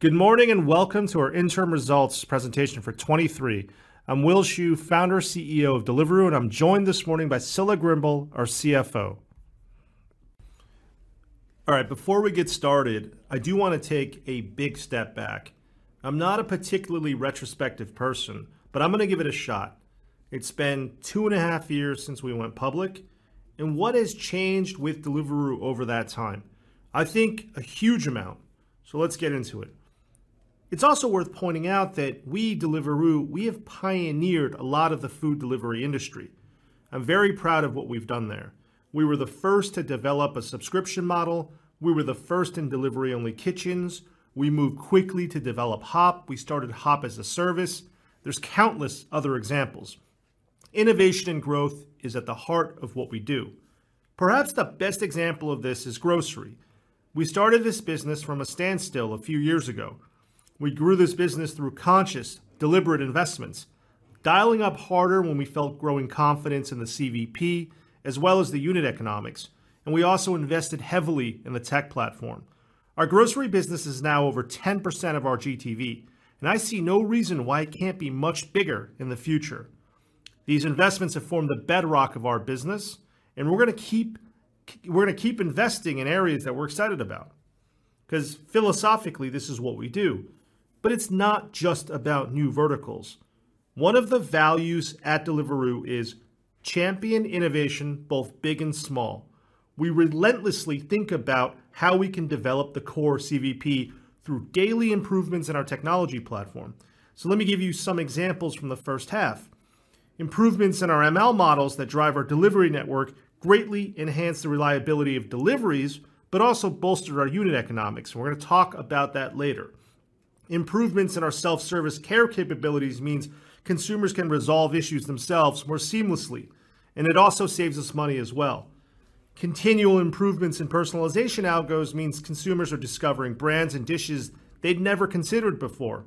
Good morning, welcome to our interim results presentation for 2023. I'm Will Shu, Founder, CEO of Deliveroo, and I'm joined this morning by Scilla Grimble, our CFO. All right, before we get started, I do want to take a big step back. I'm not a particularly retrospective person, but I'm gonna give it a shot. It's been two and a half years since we went public, and what has changed with Deliveroo over that time? I think a huge amount. Let's get into it. It's also worth pointing out that we, Deliveroo, we have pioneered a lot of the food delivery industry. I'm very proud of what we've done there. We were the first to develop a subscription model. We were the first in delivery-only kitchens. We moved quickly to develop Hop. We started Hop as a service. There's countless other examples. Innovation and growth is at the heart of what we do. Perhaps the best example of this is grocery. We started this business from a standstill a few years ago. We grew this business through conscious, deliberate investments, dialing up harder when we felt growing confidence in the CVP, as well as the unit economics, and we also invested heavily in the tech platform. Our grocery business is now over 10% of our GTV, and I see no reason why it can't be much bigger in the future. These investments have formed the bedrock of our business, and we're gonna keep, we're gonna keep investing in areas that we're excited about, 'cause philosophically, this is what we do. It's not just about new verticals. One of the values at Deliveroo is champion innovation, both big and small. We relentlessly think about how we can develop the core CVP through daily improvements in our technology platform. Let me give you some examples from the first half. Improvements in our ML models that drive our delivery network greatly enhance the reliability of deliveries, but also bolstered our unit economics. We're gonna talk about that later. Improvements in our self-service care capabilities means consumers can resolve issues themselves more seamlessly. It also saves us money as well. Continual improvements in personalization algos means consumers are discovering brands and dishes they'd never considered before.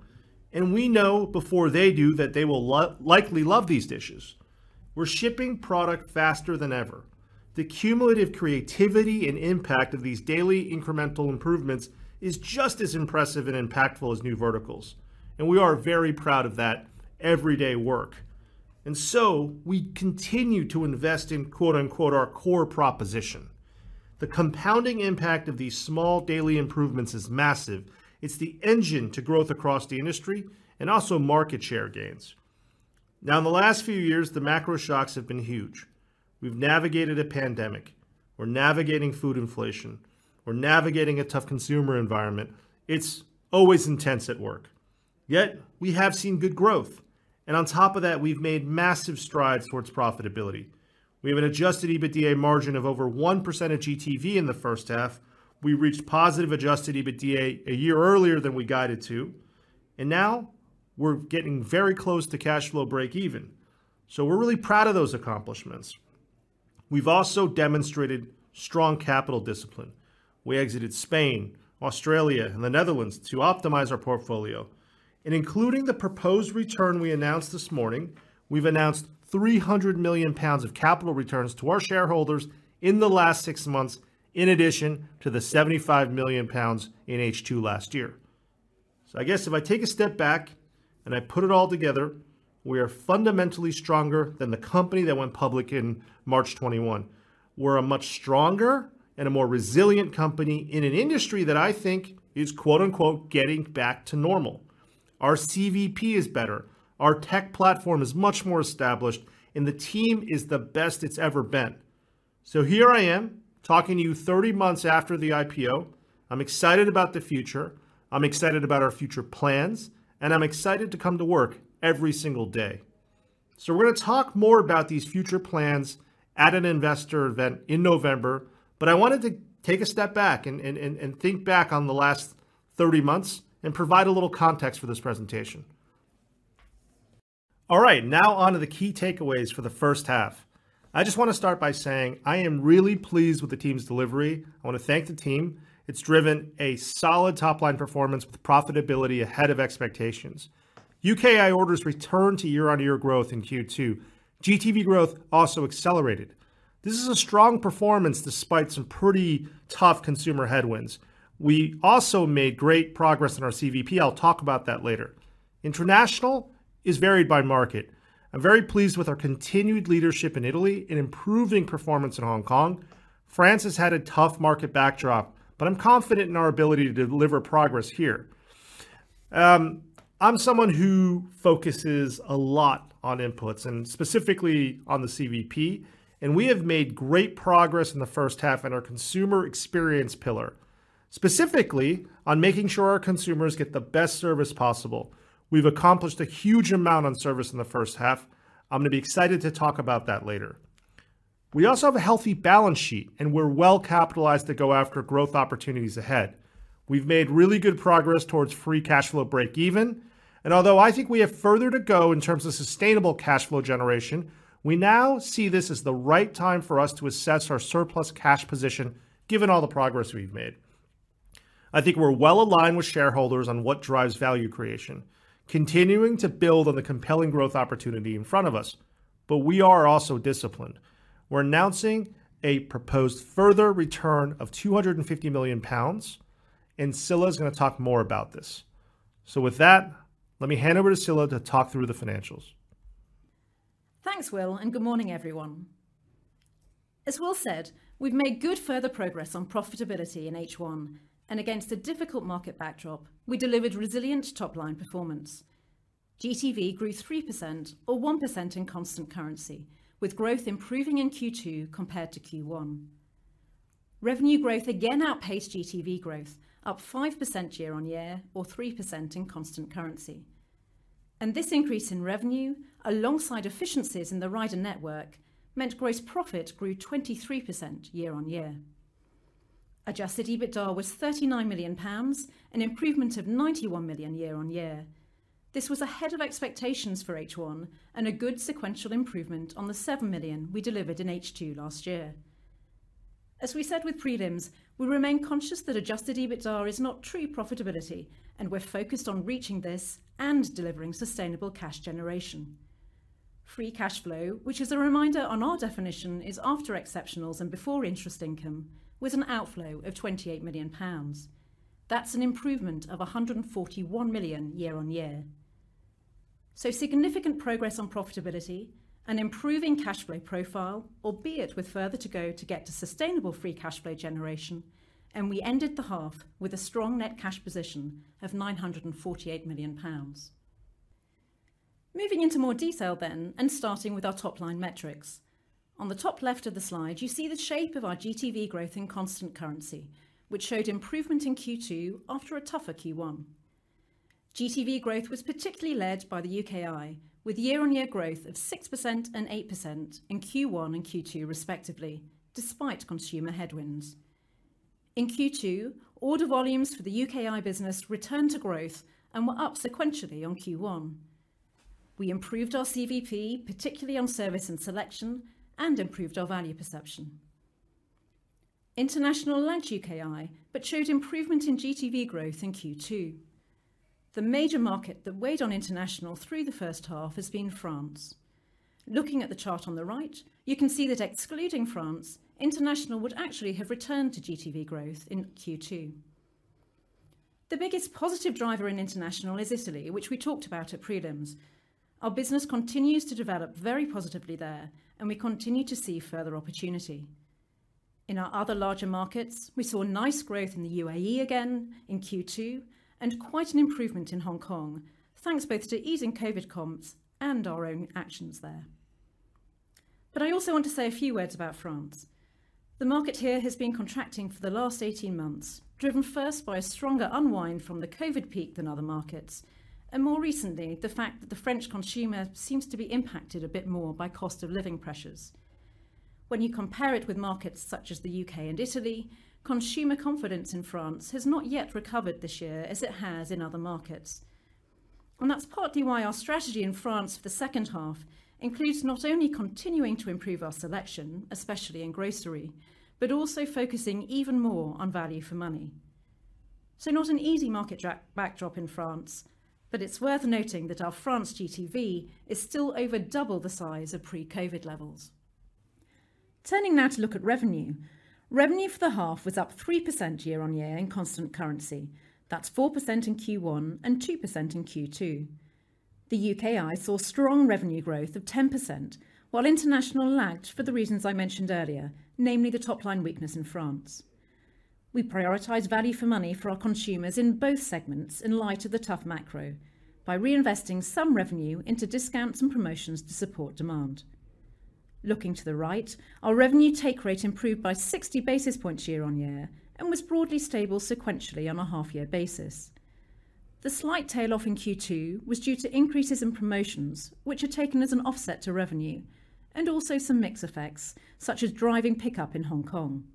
We know before they do that they will likely love these dishes. We're shipping product faster than ever. The cumulative creativity and impact of these daily incremental improvements is just as impressive and impactful as new verticals. We are very proud of that everyday work. We continue to invest in, quote, unquote, our core proposition. The compounding impact of these small daily improvements is massive. It's the engine to growth across the industry and also market share gains. Now, in the last few years, the macro shocks have been huge. We've navigated a pandemic. We're navigating food inflation. We're navigating a tough consumer environment. It's always intense at work, yet we have seen good growth, and on top of that, we've made massive strides towards profitability. We have an adjusted EBITDA margin of over 1% of GTV in the first half. We reached positive adjusted EBITDA a year earlier than we guided to, and now we're getting very close to cash flow break even. We're really proud of those accomplishments. We've also demonstrated strong capital discipline. We exited Spain, Australia, and the Netherlands to optimize our portfolio. Including the proposed return we announced this morning, we've announced 300 million pounds of capital returns to our shareholders in the last six months, in addition to the 75 million pounds in H2 last year. I guess if I take a step back and I put it all together, we are fundamentally stronger than the company that went public in March 2021. We're a much stronger and a more resilient company in an industry that I think is, quote, unquote, "getting back to normal." Our CVP is better, our tech platform is much more established, and the team is the best it's ever been. Here I am, talking to you 30 months after the IPO. I'm excited about the future, I'm excited about our future plans, and I'm excited to come to work every single day. We're gonna talk more about these future plans at an investor event in November, but I wanted to take a step back and think back on the last 30 months and provide a little context for this presentation. All right, now on to the key takeaways for the first half. I just want to start by saying I am really pleased with the team's delivery. I want to thank the team. It's driven a solid top-line performance with profitability ahead of expectations. UKI orders returned to year-on-year growth in Q2. GTV growth also accelerated. This is a strong performance despite some pretty tough consumer headwinds. We also made great progress in our CVP. I'll talk about that later. International is varied by market. I'm very pleased with our continued leadership in Italy and improving performance in Hong Kong. France has had a tough market backdrop. I'm confident in our ability to deliver progress here. I'm someone who focuses a lot on inputs and specifically on the CVP. We have made great progress in the first half in our consumer experience pillar, specifically on making sure our consumers get the best service possible. We've accomplished a huge amount on service in the first half. I'm gonna be excited to talk about that later. We also have a healthy balance sheet. We're well-capitalized to go after growth opportunities ahead. We've made really good progress towards free cash flow break even. Although I think we have further to go in terms of sustainable cash flow generation, we now see this as the right time for us to assess our surplus cash position, given all the progress we've made. I think we're well aligned with shareholders on what drives value creation, continuing to build on the compelling growth opportunity in front of us. We are also disciplined. We're announcing a proposed further return of 250 million pounds, and Scilla is going to talk more about this. With that, let me hand over to Scilla to talk through the financials. Thanks, Will. Good morning, everyone. As Will said, we've made good further progress on profitability in H1. Against a difficult market backdrop, we delivered resilient top-line performance. GTV grew 3% or 1% in constant currency, with growth improving in Q2 compared to Q1. Revenue growth again outpaced GTV growth, up 5% year-on-year, or 3% in constant currency. This increase in revenue, alongside efficiencies in the rider network, meant gross profit grew 23% year-on-year. Adjusted EBITDA was 39 million pounds, an improvement of 91 million year-on-year. This was ahead of expectations for H1 and a good sequential improvement on the 7 million we delivered in H2 last year. As we said with prelims, we remain conscious that Adjusted EBITDA is not true profitability. We're focused on reaching this and delivering sustainable cash generation. Free cash flow, which is a reminder on our definition, is after exceptionals and before interest income, was an outflow of 28 million pounds. That's an improvement of 141 million year-on-year. Significant progress on profitability and improving cash flow profile, albeit with further to go to get to sustainable free cash flow generation, and we ended the half with a strong net cash position of 948 million pounds. Moving into more detail then, and starting with our top-line metrics. On the top left of the slide, you see the shape of our GTV growth in constant currency, which showed improvement in Q2 after a tougher Q1. GTV growth was particularly led by the UKI, with year-on-year growth of 6% and 8% in Q1 and Q2 respectively, despite consumer headwinds. In Q2, order volumes for the UKI business returned to growth and were up sequentially on Q1. We improved our CVP, particularly on service and selection, and improved our value perception. International lagged UKI, but showed improvement in GTV growth in Q2. The major market that weighed on international through the first half has been France. Looking at the chart on the right, you can see that excluding France, international would actually have returned to GTV growth in Q2. The biggest positive driver in international is Italy, which we talked about at prelims. Our business continues to develop very positively there, and we continue to see further opportunity. In our other larger markets, we saw nice growth in the UAE again in Q2, and quite an improvement in Hong Kong, thanks both to easing COVID comps and our own actions there. I also want to say a few words about France. The market here has been contracting for the last 18 months, driven first by a stronger unwind from the COVID peak than other markets, and more recently, the fact that the French consumer seems to be impacted a bit more by cost of living pressures. When you compare it with markets such as the UK and Italy, consumer confidence in France has not yet recovered this year as it has in other markets. That's partly why our strategy in France for the H2 includes not only continuing to improve our selection, especially in grocery, but also focusing even more on value for money. Not an easy market backdrop in France, but it's worth noting that our France GTV is still over 2x the size of pre-COVID levels. Turning now to look at revenue. Revenue for the half was up 3% year-on-year in constant currency. That's 4% in Q1 and 2% in Q2. The UKI saw strong revenue growth of 10%, while international lagged for the reasons I mentioned earlier, namely the top line weakness in France. We prioritize value for money for our consumers in both segments in light of the tough macro by reinvesting some revenue into discounts and promotions to support demand. Looking to the right, our revenue take rate improved by 60 basis points year-on-year and was broadly stable sequentially on a half year basis. The slight tail off in Q2 was due to increases in promotions, which are taken as an offset to revenue, and also some mix effects, such as driving pickup in Hong Kong.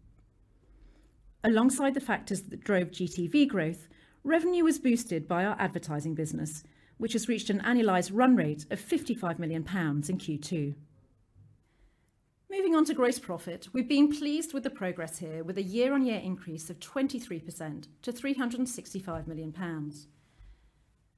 Alongside the factors that drove GTV growth, revenue was boosted by our advertising business, which has reached an annualized run rate of 55 million pounds in Q2. Moving on to gross profit. We've been pleased with the progress here with a year-on-year increase of 23% to 365 million pounds.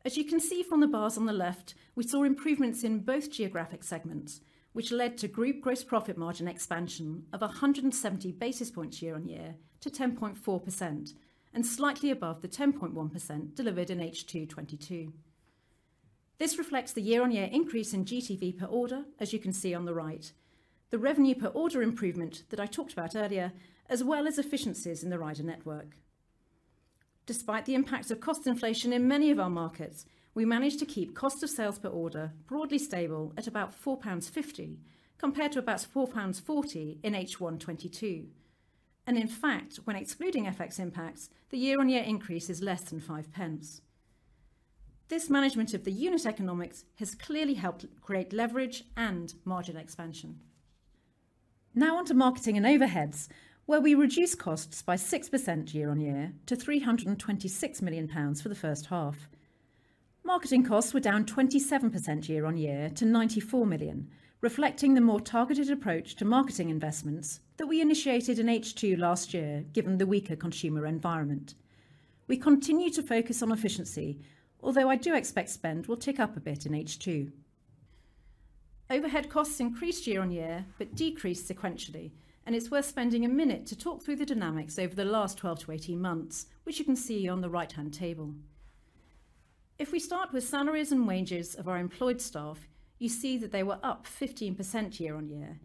As you can see from the bars on the left, we saw improvements in both geographic segments, which led to group gross profit margin expansion of 170 basis points year-on-year to 10.4%, and slightly above the 10.1% delivered in H2 2022. This reflects the year-on-year increase in GTV per order, as you can see on the right, the revenue per order improvement that I talked about earlier, as well as efficiencies in the rider network. Despite the impact of cost inflation in many of our markets, we managed to keep cost of sales per order broadly stable at about 4.50 pounds, compared to about 4.40 pounds in H1 2022. In fact, when excluding FX impacts, the year-on-year increase is less than 0.05. This management of the unit economics has clearly helped create leverage and margin expansion. Now on to marketing and overheads, where we reduced costs by 6% year-on-year to 326 million pounds for the first half. Marketing costs were down 27% year-on-year to 94 million, reflecting the more targeted approach to marketing investments that we initiated in H2 2022, given the weaker consumer environment. We continue to focus on efficiency, although I do expect spend will tick up a bit in H2. Overhead costs increased year-on-year but decreased sequentially. It's worth spending a minute to talk through the dynamics over the last 12-18 months, which you can see on the right-hand table. If we start with salaries and wages of our employed staff, you see that they were up 15% year-on-year.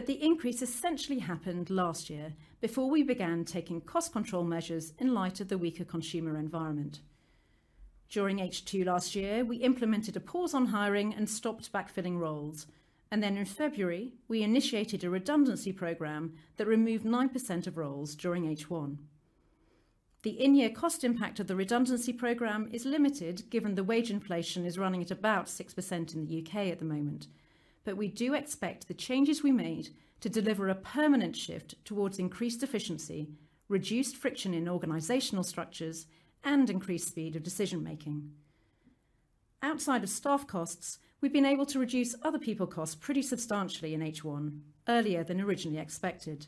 The increase essentially happened last year before we began taking cost control measures in light of the weaker consumer environment. During H2 last year, we implemented a pause on hiring and stopped backfilling roles. In February, we initiated a redundancy program that removed 9% of roles during H1. The in-year cost impact of the redundancy program is limited, given the wage inflation is running at about 6% in the UK at the moment. We do expect the changes we made to deliver a permanent shift towards increased efficiency, reduced friction in organizational structures, and increased speed of decision-making. Outside of staff costs, we've been able to reduce other people costs pretty substantially in H1, earlier than originally expected.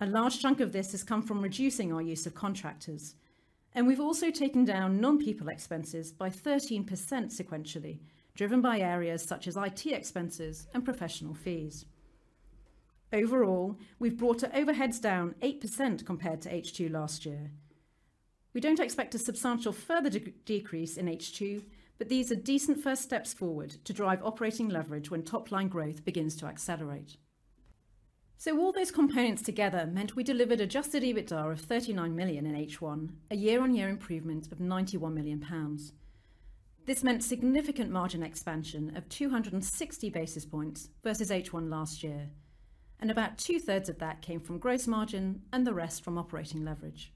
A large chunk of this has come from reducing our use of contractors, and we've also taken down non-people expenses by 13% sequentially, driven by areas such as IT expenses and professional fees. Overall, we've brought our overheads down 8% compared to H2 last year. We don't expect a substantial further de-decrease in H2, but these are decent first steps forward to drive operating leverage when top-line growth begins to accelerate. All those components together meant we delivered adjusted EBITDA of 39 million in H1, a year-on-year improvement of 91 million pounds. This meant significant margin expansion of 260 basis points versus H1 last year, and about two-thirds of that came from gross margin and the rest from operating leverage.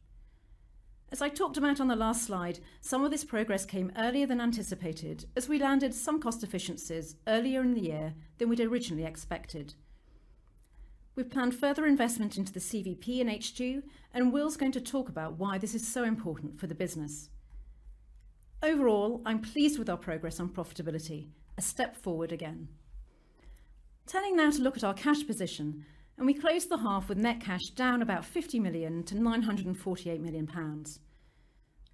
As I talked about on the last slide, some of this progress came earlier than anticipated, as we landed some cost efficiencies earlier in the year than we'd originally expected. We've planned further investment into the CVP in H2, and Will's going to talk about why this is so important for the business. Overall, I'm pleased with our progress on profitability, a step forward again. Turning now to look at our cash position, and we closed the half with net cash down about 50 million to 948 million pounds.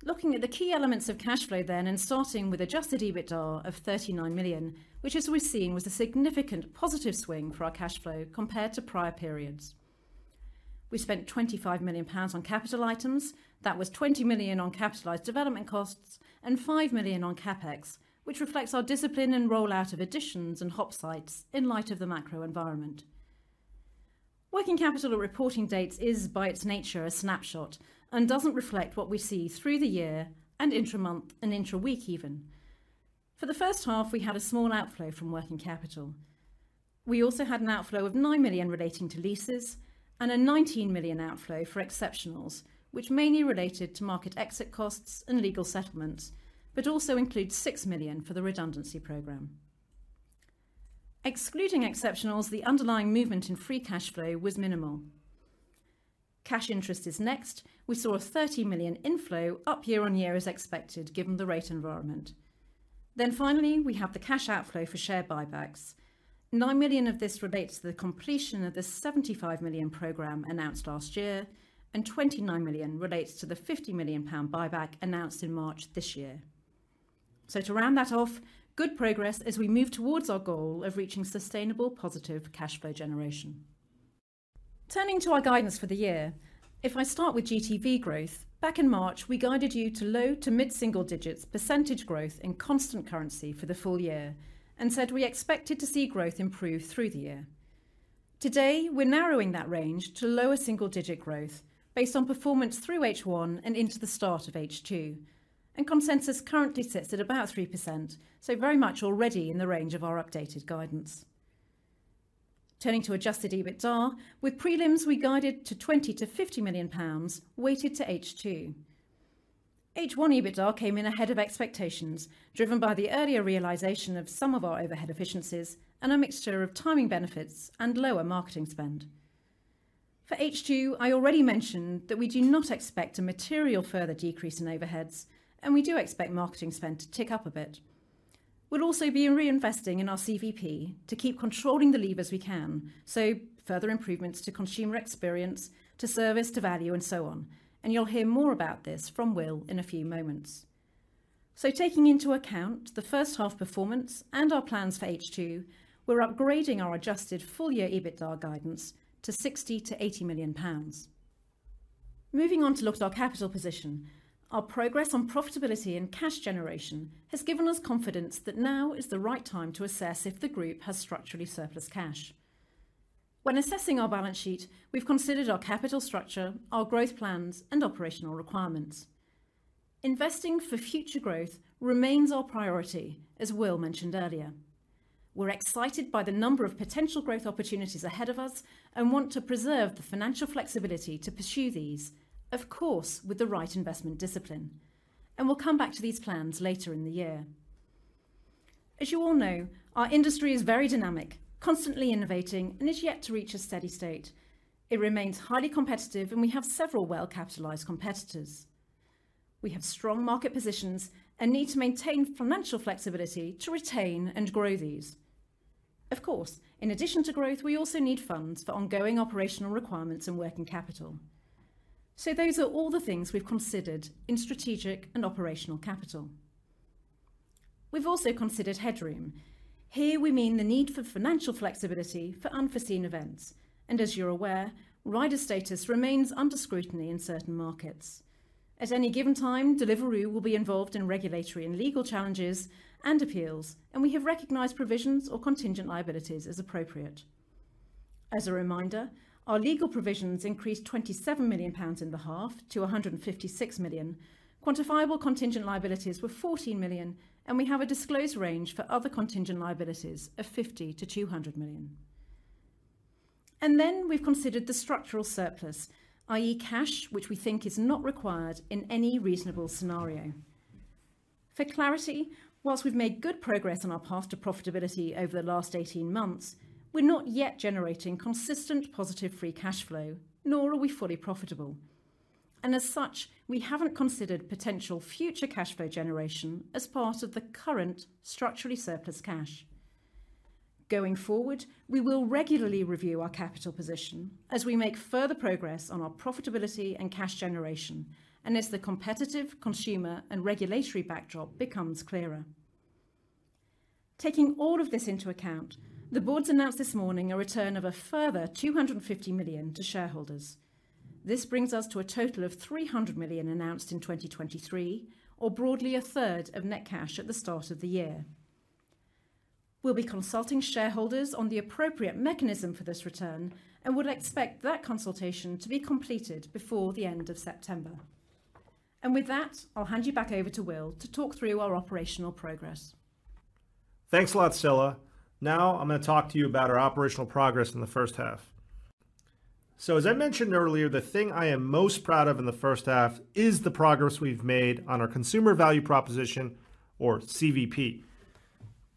Looking at the key elements of cash flow then, starting with adjusted EBITDA of 39 million, which as we've seen, was a significant positive swing for our cash flow compared to prior periods. We spent 25 million pounds on capital items. That was 20 million on capitalized development costs and 5 million on CapEx, which reflects our discipline and rollout of additions and hub sites in light of the macro environment. Working capital at reporting dates is, by its nature, a snapshot and doesn't reflect what we see through the year and intra-month and intra-week even. For H1, we had a small outflow from working capital. We also had an outflow of 9 million relating to leases and a 19 million outflow for exceptionals, which mainly related to market exit costs and legal settlements, also includes 6 million for the redundancy program. Excluding exceptionals, the underlying movement in free cash flow was minimal. Cash interest is next. We saw a 30 million inflow up year-on-year as expected, given the rate environment. Finally, we have the cash outflow for share buybacks. 9 million of this relates to the completion of the 75 million program announced last year, and 29 million relates to the 50 million pound buyback announced in March this year. To round that off, good progress as we move towards our goal of reaching sustainable positive cash flow generation. Turning to our guidance for the year. If I start with GTV growth, back in March, we guided you to low- to mid-single digits % growth in constant currency for the full year, and said we expected to see growth improve through the year. Today, we're narrowing that range to lower single-digit growth based on performance through H1 and into the start of H2. Consensus currently sits at about 3%, very much already in the range of our updated guidance. Turning to adjusted EBITDA. With prelims, we guided to 20 million-50 million pounds, weighted to H2. H1 EBITDA came in ahead of expectations, driven by the earlier realization of some of our overhead efficiencies and a mixture of timing benefits and lower marketing spend. For H2, I already mentioned that we do not expect a material further decrease in overheads. We do expect marketing spend to tick up a bit. We'll also be reinvesting in our CVP to keep controlling the levers we can, further improvements to consumer experience, to service, to value, and so on. You'll hear more about this from Will in a few moments. Taking into account the H1 performance and our plans for H2, we're upgrading our adjusted full-year EBITDA guidance to 60 million-80 million pounds. Moving on to look at our capital position. Our progress on profitability and cash generation has given us confidence that now is the right time to assess if the group has structurally surplus cash. When assessing our balance sheet, we've considered our capital structure, our growth plans, and operational requirements. Investing for future growth remains our priority, as Will mentioned earlier. We're excited by the number of potential growth opportunities ahead of us and want to preserve the financial flexibility to pursue these, of course, with the right investment discipline, and we'll come back to these plans later in the year. As you all know, our industry is very dynamic, constantly innovating, and is yet to reach a steady state. It remains highly competitive, and we have several well-capitalized competitors. We have strong market positions and need to maintain financial flexibility to retain and grow these. Of course, in addition to growth, we also need funds for ongoing operational requirements and working capital. Those are all the things we've considered in strategic and operational capital. We've also considered headroom. Here, we mean the need for financial flexibility for unforeseen events, and as you're aware, rider status remains under scrutiny in certain markets. At any given time, Deliveroo will be involved in regulatory and legal challenges and appeals, and we have recognized provisions or contingent liabilities as appropriate. As a reminder, our legal provisions increased 27 million pounds in the half to 156 million. Quantifiable contingent liabilities were 14 million, and we have a disclosed range for other contingent liabilities of 50 million-200 million. We've considered the structural surplus, i.e., cash, which we think is not required in any reasonable scenario. For clarity, whilst we've made good progress on our path to profitability over the last 18 months, we're not yet generating consistent positive free cash flow, nor are we fully profitable, and as such, we haven't considered potential future cash flow generation as part of the current structurally surplus cash. Going forward, we will regularly review our capital position as we make further progress on our profitability and cash generation, and as the competitive consumer and regulatory backdrop becomes clearer. Taking all of this into account, the Board announced this morning a return of a further 250 million to shareholders. This brings us to a total of 300 million announced in 2023, or broadly a third of net cash at the start of the year. We'll be consulting shareholders on the appropriate mechanism for this return and would expect that consultation to be completed before the end of September. With that, I'll hand you back over to Will to talk through our operational progress. Thanks a lot, Scilla. I'm going to talk to you about our operational progress in the first half. As I mentioned earlier, the thing I am most proud of in the first half is the progress we've made on our consumer value proposition, or CVP.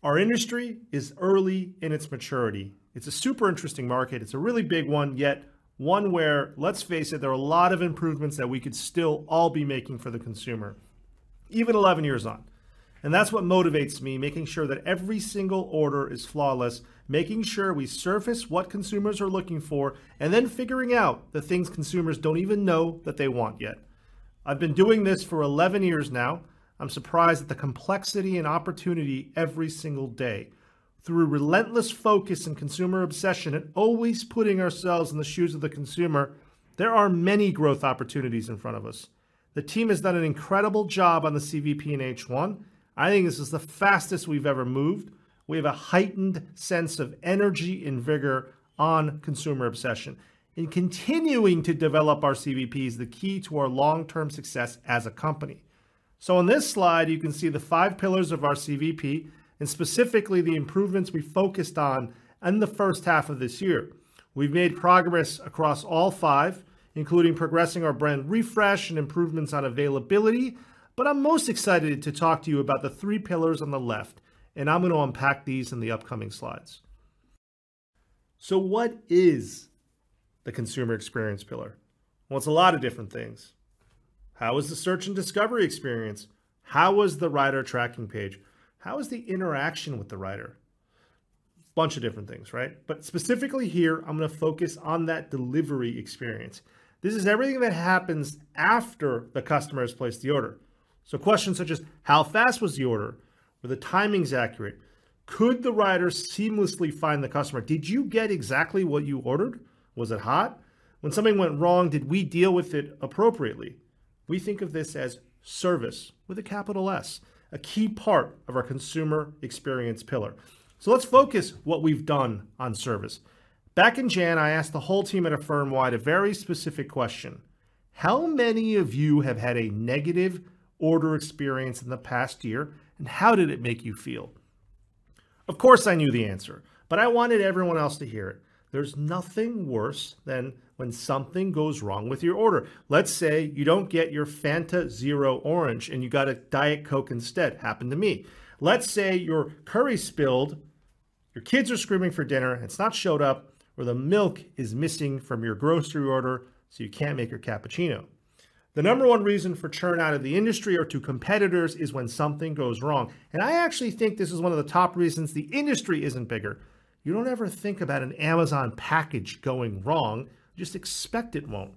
Our industry is early in its maturity. It's a super interesting market. It's a really big one, yet one where, let's face it, there are a lot of improvements that we could still all be making for the consumer, even 11 years on. That's what motivates me, making sure that every single order is flawless, making sure we surface what consumers are looking for, and then figuring out the things consumers don't even know that they want yet. I've been doing this for 11 years now. I'm surprised at the complexity and opportunity every single day. Through relentless focus and consumer obsession and always putting ourselves in the shoes of the consumer, there are many growth opportunities in front of us. The team has done an incredible job on the CVP in H1. I think this is the fastest we've ever moved. We have a heightened sense of energy and vigor on consumer obsession, and continuing to develop our CVP is the key to our long-term success as a company. In this slide, you can see the five pillars of our CVP and specifically the improvements we focused on in the first half of this year. We've made progress across all five, including progressing our brand refresh and improvements on availability. I'm most excited to talk to you about the three pillars on the left, and I'm going to unpack these in the upcoming slides. What is the consumer experience pillar? Well, it's a lot of different things. How is the search and discovery experience? How was the rider tracking page? How was the interaction with the rider? Bunch of different things, right? Specifically here, I'm going to focus on that delivery experience. This is everything that happens after the customer has placed the order. Questions such as: How fast was the order? Were the timings accurate? Could the rider seamlessly find the customer? Did you get exactly what you ordered? Was it hot? When something went wrong, did we deal with it appropriately? We think of this as service with a capital S, a key part of our consumer experience pillar. Let's focus what we've done on service. Back in January, I asked the whole team at a firmwide a very specific question: How many of you have had a negative order experience in the past year, and how did it make you feel? Of course, I knew the answer. I wanted everyone else to hear it. There's nothing worse than when something goes wrong with your order. Let's say you don't get your Fanta Zero Orange. You got a Diet Coke instead. Happened to me. Let's say your curry spilled, your kids are screaming for dinner. It's not showed up, or the milk is missing from your grocery order. You can't make your cappuccino. The number 1 reason for churn out of the industry or to competitors is when something goes wrong. I actually think this is one of the top reasons the industry isn't bigger. You don't ever think about an Amazon package going wrong, just expect it won't.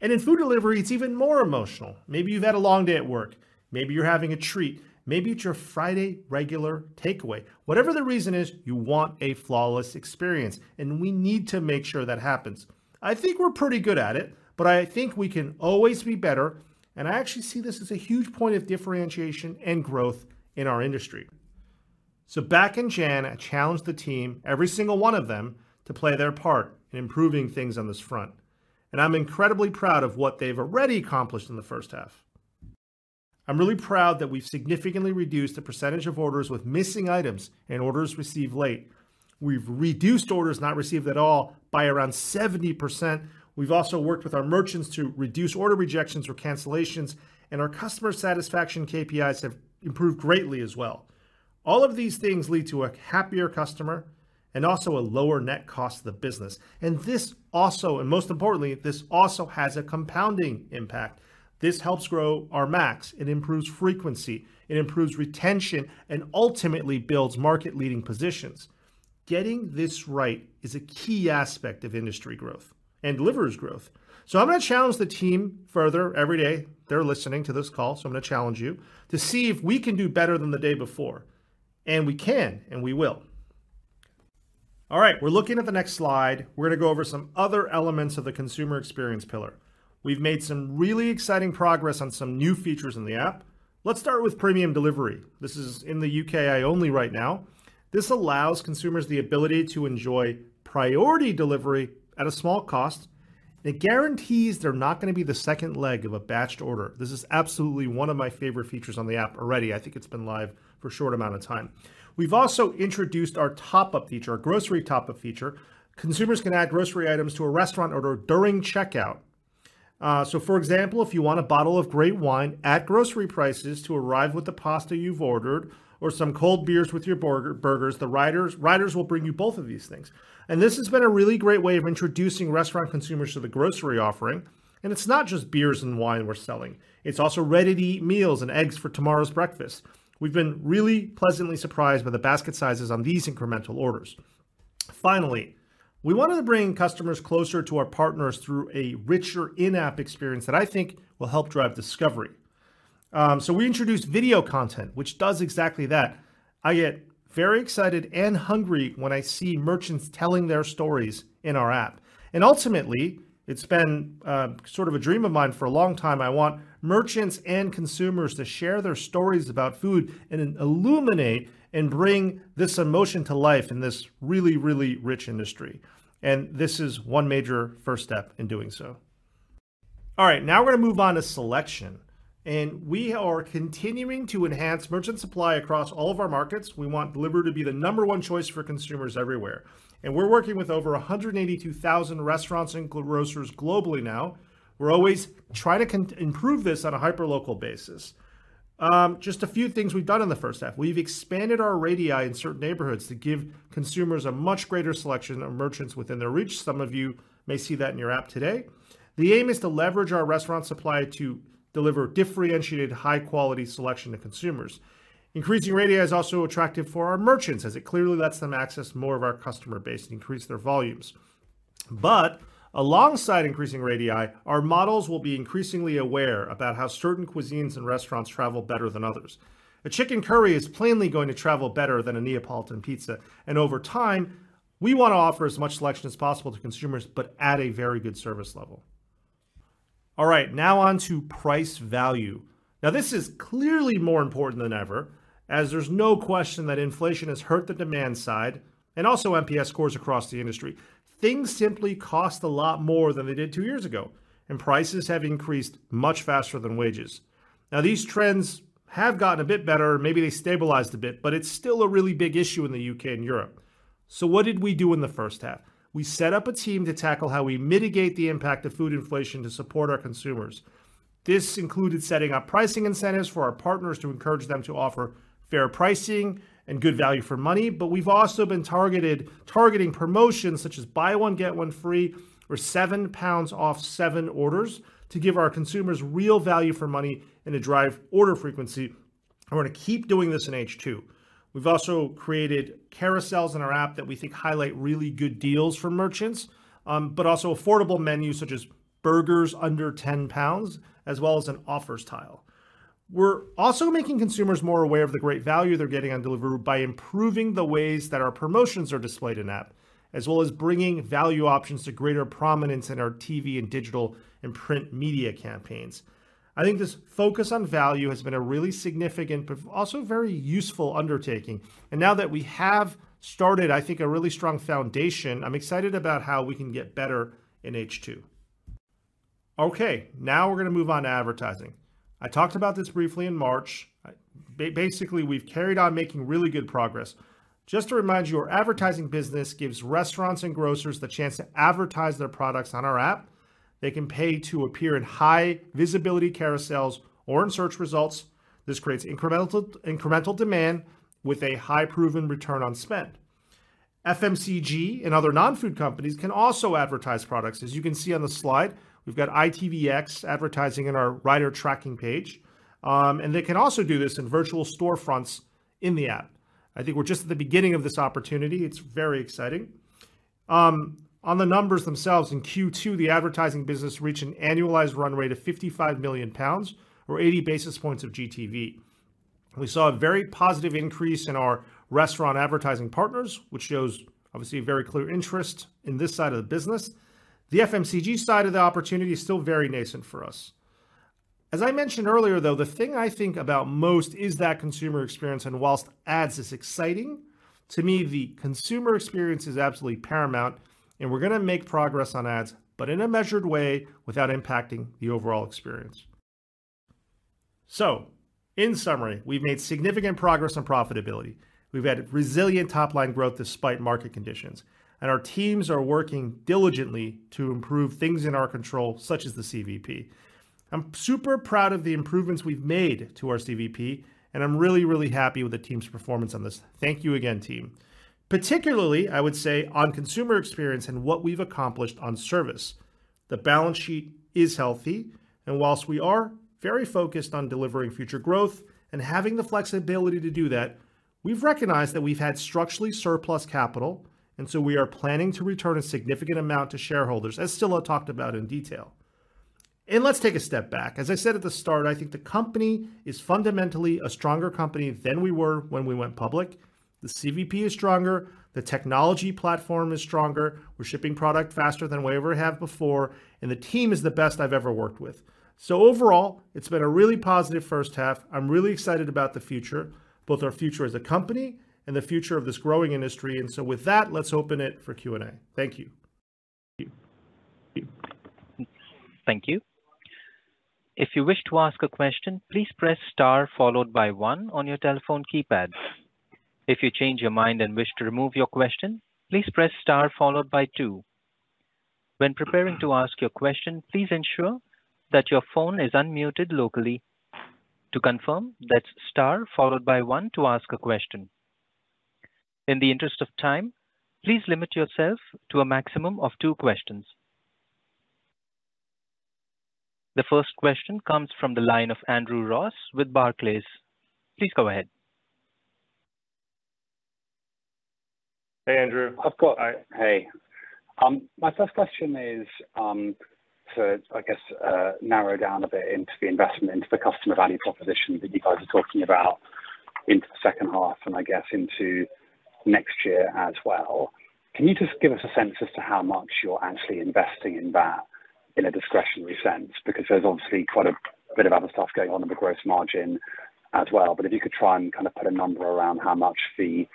In food delivery, it's even more emotional. Maybe you've had a long day at work. Maybe you're having a treat. Maybe it's your Friday regular takeaway. Whatever the reason is, you want a flawless experience, and we need to make sure that happens. I think we're pretty good at it, but I think we can always be better, and I actually see this as a huge point of differentiation and growth in our industry. Back in Jan, I challenged the team, every single one of them, to play their part in improving things on this front, and I'm incredibly proud of what they've already accomplished in the first half. I'm really proud that we've significantly reduced the percentage of orders with missing items and orders received late. We've reduced orders not received at all by around 70%. We've also worked with our merchants to reduce order rejections or cancellations, and our customer satisfaction KPIs have improved greatly as well. All of these things lead to a happier customer and also a lower net cost to the business. This also, and most importantly, this also has a compounding impact. This helps grow our MACs. It improves frequency, it improves retention, and ultimately builds market-leading positions.... Getting this right is a key aspect of industry growth and Deliveroo's growth. I'm gonna challenge the team further every day, they're listening to this call, so I'm gonna challenge you to see if we can do better than the day before, and we can and we will. All right, we're looking at the next slide. We're gonna go over some other elements of the consumer experience pillar. We've made some really exciting progress on some new features in the app. Let's start with premium delivery. This is in the UK only right now. This allows consumers the ability to enjoy priority delivery at a small cost, and it guarantees they're not gonna be the second leg of a batched order. This is absolutely one of my favorite features on the app already. I think it's been live for a short amount of time. We've also introduced our top-up feature, our grocery top-up feature. Consumers can add grocery items to a restaurant order during checkout. For example, if you want a bottle of great wine at grocery prices to arrive with the pasta you've ordered, or some cold beers with your burgers, the riders, riders will bring you both of these things. This has been a really great way of introducing restaurant consumers to the grocery offering. It's not just beers and wine we're selling, it's also ready-to-eat meals and eggs for tomorrow's breakfast. We've been really pleasantly surprised by the basket sizes on these incremental orders. Finally, we wanted to bring customers closer to our partners through a richer in-app experience that I think will help drive discovery. We introduced video content, which does exactly that. I get very excited and hungry when I see merchants telling their stories in our app. Ultimately, it's been sort of a dream of mine for a long time, I want merchants and consumers to share their stories about food and then illuminate and bring this emotion to life in this really, really rich industry, and this is one major first step in doing so. All right, now we're gonna move on to selection. We are continuing to enhance merchant supply across all of our markets. We want Deliveroo to be the number one choice for consumers everywhere. We're working with over 182,000 restaurants and grocers globally now. We're always trying to improve this on a hyperlocal basis. Just a few things we've done in the first half: we've expanded our radii in certain neighborhoods to give consumers a much greater selection of merchants within their reach. Some of you may see that in your app today. The aim is to leverage our restaurant supply to deliver differentiated, high-quality selection to consumers. Increasing radii is also attractive for our merchants, as it clearly lets them access more of our customer base and increase their volumes. Alongside increasing radii, our models will be increasingly aware about how certain cuisines and restaurants travel better than others. A chicken curry is plainly going to travel better than a Neapolitan pizza, and over time, we want to offer as much selection as possible to consumers, but at a very good service level. All right, now on to price value. This is clearly more important than ever, as there's no question that inflation has hurt the demand side and also NPS scores across the industry. Things simply cost a lot more than they did two years ago, and prices have increased much faster than wages. These trends have gotten a bit better, maybe they stabilized a bit, but it's still a really big issue in the UK and Europe. What did we do in the first half? We set up a team to tackle how we mitigate the impact of food inflation to support our consumers. This included setting up pricing incentives for our partners to encourage them to offer fair pricing and good value for money, but we've also been targeting promotions such as buy one, get one free, or 7 pounds off 7 orders to give our consumers real value for money and to drive order frequency. We're gonna keep doing this in H2. We've also created carousels in our app that we think highlight really good deals for merchants, but also affordable menus such as burgers under 10 pounds, as well as an offers tile. We're also making consumers more aware of the great value they're getting on Deliveroo by improving the ways that our promotions are displayed in-app, as well as bringing value options to greater prominence in our TV and digital and print media campaigns. I think this focus on value has been a really significant, but also very useful undertaking. Now that we have started, I think, a really strong foundation, I'm excited about how we can get better in H2. Now we're gonna move on to advertising. I talked about this briefly in March. basically, we've carried on making really good progress. Just to remind you, our advertising business gives restaurants and grocers the chance to advertise their products on our app. They can pay to appear in high-visibility carousels or in search results. This creates incremental, incremental demand with a high proven return on spend. FMCG and other non-food companies can also advertise products. As you can see on the slide, we've got ITVX advertising in our rider tracking page. They can also do this in virtual storefronts in the app. I think we're just at the beginning of this opportunity. It's very exciting. On the numbers themselves, in Q2, the advertising business reached an annualized run rate of 55 million pounds or 80 basis points of GTV. We saw a very positive increase in our restaurant advertising partners, which shows, obviously, a very clear interest in this side of the business. The FMCG side of the opportunity is still very nascent for us. As I mentioned earlier, though, the thing I think about most is that consumer experience, whilst ads is exciting, to me, the consumer experience is absolutely paramount, we're gonna make progress on ads, but in a measured way, without impacting the overall experience. In summary, we've made significant progress on profitability. We've had resilient top-line growth despite market conditions, our teams are working diligently to improve things in our control, such as the CVP. I'm super proud of the improvements we've made to our CVP, I'm really, really happy with the team's performance on this. Thank you again, team. Particularly, I would say on consumer experience and what we've accomplished on service. Whilst the balance sheet is healthy, and we are very focused on delivering future growth and having the flexibility to do that, we've recognized that we've had structurally surplus capital. So we are planning to return a significant amount to shareholders, as Scilla talked about in detail. Let's take a step back. As I said at the start, I think the company is fundamentally a stronger company than we were when we went public. The CVP is stronger, the technology platform is stronger, we're shipping product faster than we ever have before. The team is the best I've ever worked with. Overall, it's been a really positive first half. I'm really excited about the future, both our future as a company and the future of this growing industry. With that, let's open it for Q&A. Thank you. Thank you. If you wish to ask a question, please press Star followed by 1 on your telephone keypad. If you change your mind and wish to remove your question, please press Star followed by 2. When preparing to ask your question, please ensure that your phone is unmuted locally. To confirm, that's Star followed by 1 to ask a question. In the interest of time, please limit yourself to a maximum of 2 questions. The first question comes from the line of Andrew Ross with Barclays. Please go ahead. Hey, Andrew. Of course. Hey. My first question is, to, I guess, narrow down a bit into the investment, into the Customer Value Proposition that you guys are talking about into the second half and I guess into next year as well. Can you just give us a sense as to how much you're actually investing in that in a discretionary sense? There's obviously quite a bit of other stuff going on in the gross margin as well. If you could try and kind of put a number around how much the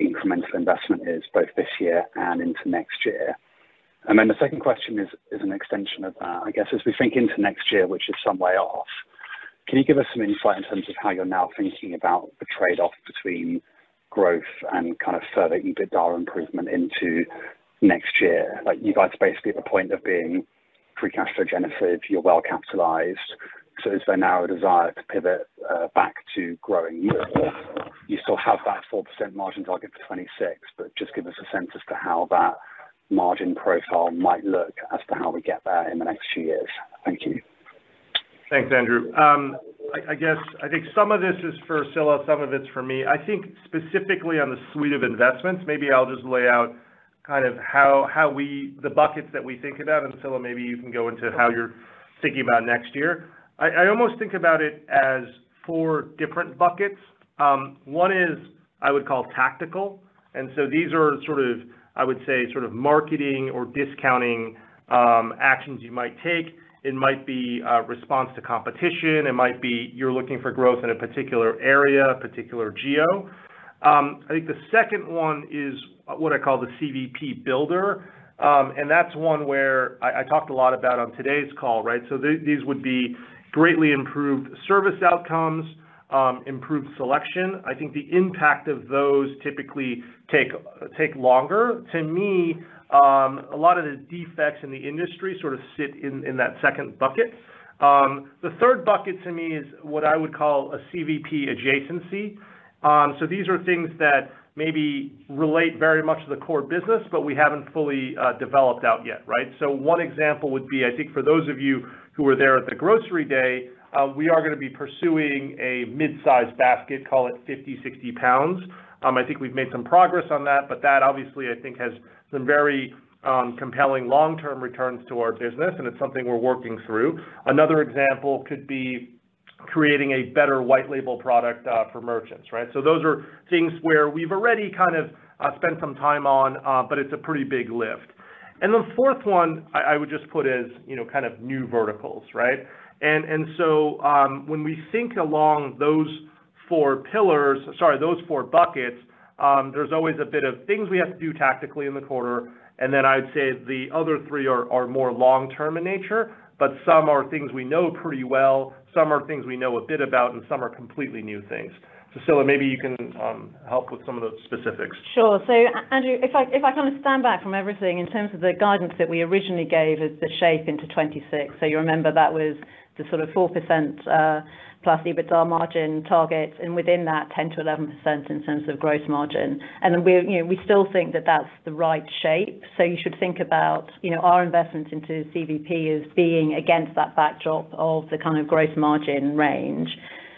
incremental investment is, both this year and into next year. Then the second question is, is an extension of that. I guess, as we think into next year, which is some way off, can you give us some insight in terms of how you're now thinking about the trade-off between growth and kind of further EBITDA improvement into next year? Like, you guys are basically at the point of being free cash flow generative, you're well capitalized. Is there now a desire to pivot back to growing you? You still have that 4% margin target for 2026, but just give us a sense as to how that margin profile might look as to how we get there in the next few years. Thank you. Thanks, Andrew. I, I guess I think some of this is for Scilla, some of it's for me. I think specifically on the suite of investments, maybe I'll just lay out kind of how, how we-- the buckets that we think about, and Scilla, maybe you can go into how you're thinking about next year. I, I almost think about it as four different buckets. One is, I would call tactical, and so these are sort of, I would say, sort of marketing or discounting, actions you might take. It might be a response to competition, it might be you're looking for growth in a particular area, a particular geo. I think the second one is what I call the CVP builder, and that's one where I, I talked a lot about on today's call, right? These would be greatly improved service outcomes, improved selection. I think the impact of those typically take, take longer. To me, a lot of the defects in the industry sort of sit in, in that second bucket. The third bucket to me is what I would call a CVP adjacency. These are things that maybe relate very much to the core business, but we haven't fully developed out yet, right? One example would be, I think for those of you who were there at the grocery day, we are gonna be pursuing a mid-size basket, call it 50, 60 pounds. I think we've made some progress on that, but that obviously, I think, has some very compelling long-term returns to our business, and it's something we're working through. Another example could be creating a better white label product for merchants, right? Those are things where we've already kind of spent some time on, but it's a pretty big lift. The fourth one, I, I would just put as, you know, kind of new verticals, right? When we think along those four pillars, sorry, those four buckets, there's always a bit of things we have to do tactically in the quarter, and then I'd say the other three are more long-term in nature, but some are things we know pretty well, some are things we know a bit about, and some are completely new things. Scilla, maybe you can help with some of the specifics. Sure. So, Andrew, if I, if I kind of stand back from everything in terms of the guidance that we originally gave as the shape into 2026, so you remember that was the sort of 4% plus EBITDA margin target, and within that, 10%-11% in terms of gross margin. We're, you know, we still think that that's the right shape. So you should think about, you know, our investment into CVP as being against that backdrop of the kind of gross margin range.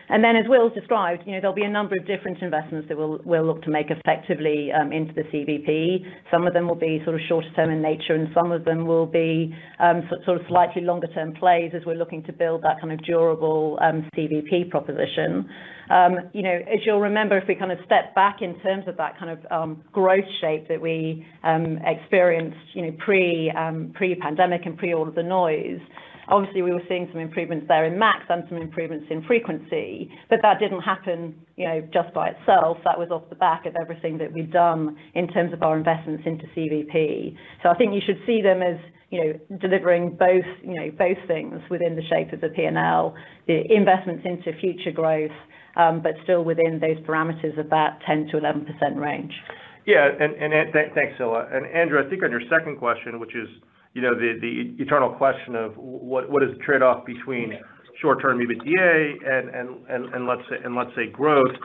Then, as Will described, you know, there'll be a number of different investments that we'll, we'll look to make effectively, into the CVP. Some of them will be sort of shorter term in nature, and some of them will be so sort of slightly longer term plays as we're looking to build that kind of durable CVP proposition. You know, as you'll remember, if we kind of step back in terms of that kind of growth shape that we experienced, you know, pre- pre-pandemic and pre-all of the noise, obviously, we were seeing some improvements there in MACs and some improvements in frequency, but that didn't happen, you know, just by itself. That was off the back of everything that we've done in terms of our investments into CVP. I think you should see them as, you know, delivering both, you know, both things within the shape of the PNL, the investments into future growth, but still within those parameters of that 10%-11% range. Yeah, and thanks, Scilla. Andrew, I think on your second question, which is, you know, the eternal question of what is the trade-off between short-term EBITDA and let's say growth?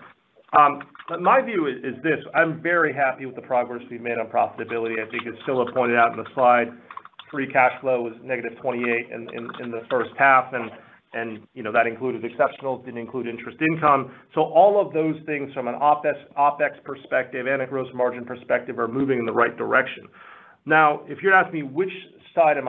My view is this: I'm very happy with the progress we've made on profitability. I think as Scilla pointed out in the slide, free cash flow was negative 28 in the first half, and you know, that included exceptionals, didn't include interest income. All of those things from an OpEx perspective and a gross margin perspective are moving in the right direction. If you're asking me which side am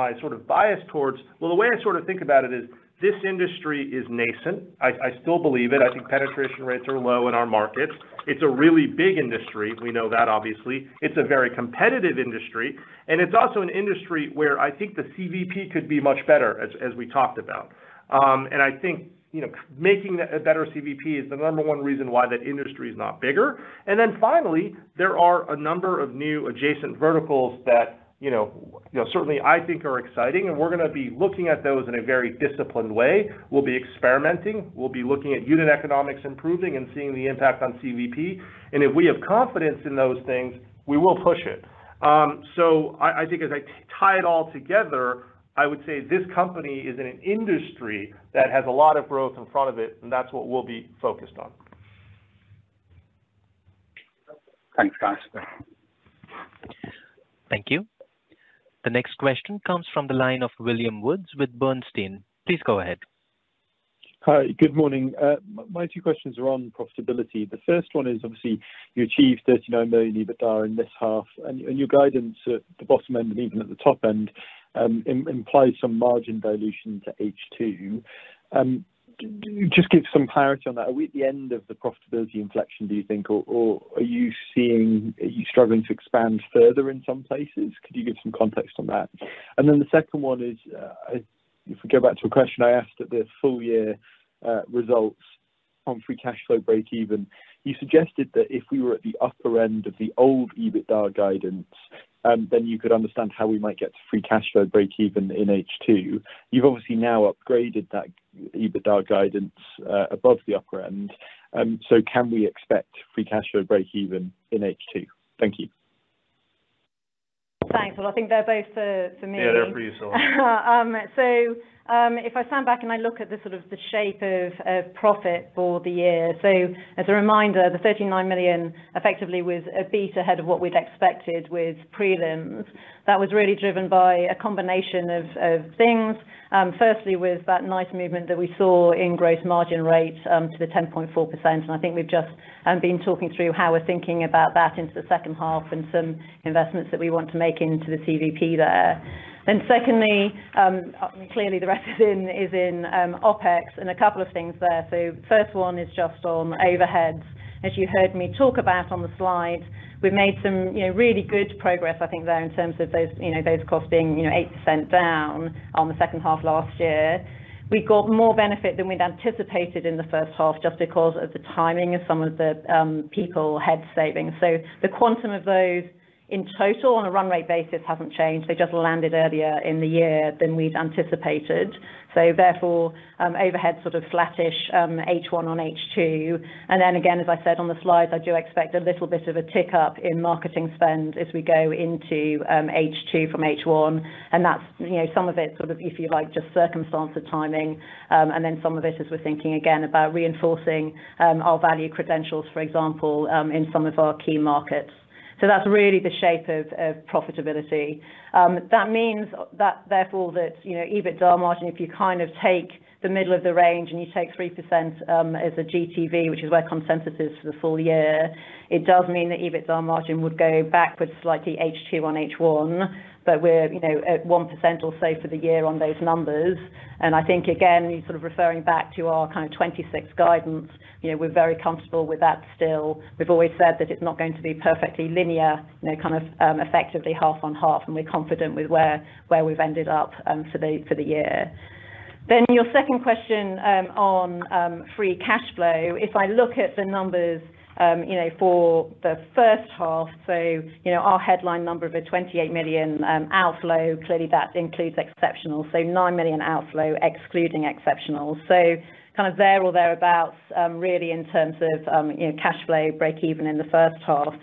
I sort of biased towards? The way I sort of think about it is, this industry is nascent. I, I still believe it. I think penetration rates are low in our markets. It's a really big industry. We know that obviously. It's a very competitive industry, and it's also an industry where I think the CVP could be much better, as we talked about. I think, you know, making a better CVP is the number one reason why that industry is not bigger. Then finally, there are a number of new adjacent verticals that, you know, certainly I think are exciting, and we're gonna be looking at those in a very disciplined way. We'll be experimenting. We'll be looking at unit economics improving and seeing the impact on CVP, and if we have confidence in those things, we will push it. I think as I tie it all together, I would say this company is in an industry that has a lot of growth in front of it. That's what we'll be focused on. Thanks, guys. Thank you. The next question comes from the line of William Woods with AllianceBernstein. Please go ahead. Hi, good morning. My, my 2 questions are on profitability. The first one is, obviously, you achieved 39 million EBITDA in this half, and, and your guidance at the bottom end and even at the top end, implies some margin dilution to H2. Just give some clarity on that. Are we at the end of the profitability inflection, do you think, or, or are you seeing... Are you struggling to expand further in some places? Could you give some context on that? Then the second one is, if we go back to a question I asked at the full year results on free cash flow breakeven, you suggested that if we were at the upper end of the old EBITDA guidance, then you could understand how we might get to free cash flow breakeven in H2. You've obviously now upgraded that EBITDA guidance, above the upper end. Can we expect free cash flow breakeven in H2? Thank you. Thanks. Well, I think they're both for, for me. Yeah, they're for you, Scilla. If I stand back and I look at the sort of the shape of, of profit for the year, as a reminder, the 39 million effectively was a beat ahead of what we'd expected with prelims. That was really driven by a combination of, of things. Firstly, with that nice movement that we saw in gross margin rate, to the 10.4%, and I think we've just been talking through how we're thinking about that into the second half and some investments that we want to make into the CVP there. Secondly, clearly, the rest is in, is in OpEx, and a couple of things there. First one is just on overheads. As you heard me talk about on the slide, we've made some, you know, really good progress, I think, there, in terms of those, you know, those costs being, you know, 8% down on the second half last year. We got more benefit than we'd anticipated in the first half, just because of the timing of some of the people head savings. The quantum of those in total on a run rate basis hasn't changed. They just landed earlier in the year than we'd anticipated. Therefore, overhead sort of flattish H1 on H2. Then again, as I said on the slides, I do expect a little bit of a tick-up in marketing spend as we go into H2 from H1, and that's, you know, some of it sort of, if you like, just circumstance of timing, and then some of it is we're thinking again about reinforcing our value credentials, for example, in some of our key markets. That's really the shape of, of profitability. That means that, therefore, that, you know, EBITDA margin, if you kind of take the middle of the range, and you take 3%, as a GTV, which is where consensus is for the full year, it does mean the EBITDA margin would go backwards slightly H2 on H1, but we're, you know, at 1% or so for the year on those numbers. I think, again, you sort of referring back to our kind of 26 guidance, you know, we're very comfortable with that still. We've always said that it's not going to be perfectly linear, you know, kind of, effectively half on half, and we're confident with where, where we've ended up for the, for the year. Your second question on free cash flow, if I look at the numbers, you know, for the first half, you know, our headline number of a 28 million outflow, clearly that includes exceptional, 9 million outflow excluding exceptional. Kind of there or thereabout, really in terms of, you know, cash flow breakeven in the first half.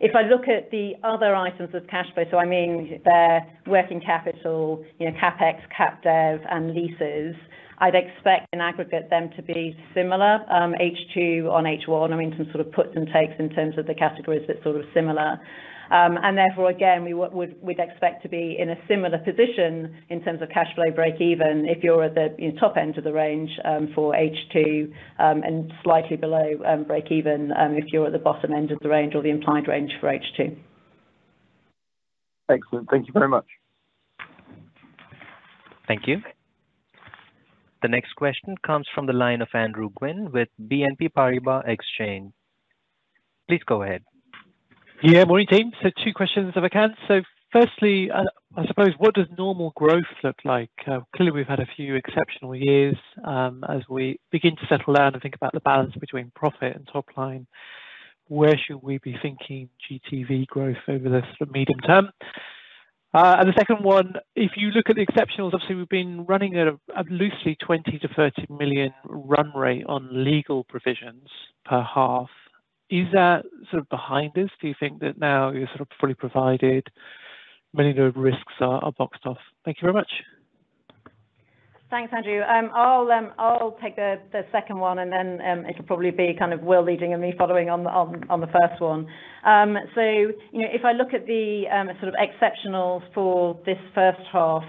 If I look at the other items of cash flow, so I mean, the working capital, you know, CapEx, CapDev, and leases, I'd expect in aggregate them to be similar, H2 on H1. I mean, some sort of puts and takes in terms of the categories, but sort of similar. Therefore, again, we would, we'd expect to be in a similar position in terms of cash flow breakeven if you're at the, you know, top end of the range, for H2, and slightly below, breakeven, if you're at the bottom end of the range or the implied range for H2. Excellent. Thank you very much. Thank you. The next question comes from the line of Andrew Gwynn with BNP Paribas Exane. Please go ahead. Yeah. Morning, team. Two questions, if I can. Firstly, I suppose, what does normal growth look like? Clearly, we've had a few exceptional years. As we begin to settle down and think about the balance between profit and top line, where should we be thinking GTV growth over the sort of medium term? The second one, if you look at the exceptionals, obviously, we've been running at a loosely 20 million-30 million run rate on legal provisions per half. Is that sort of behind us? Do you think that now you're sort of fully provided, many of the risks are boxed off? Thank you very much. Thanks, Andrew. I'll take the second one, and then it'll probably be kind of Will leading and me following on the first one. You know, if I look at the sort of exceptionals for this first half,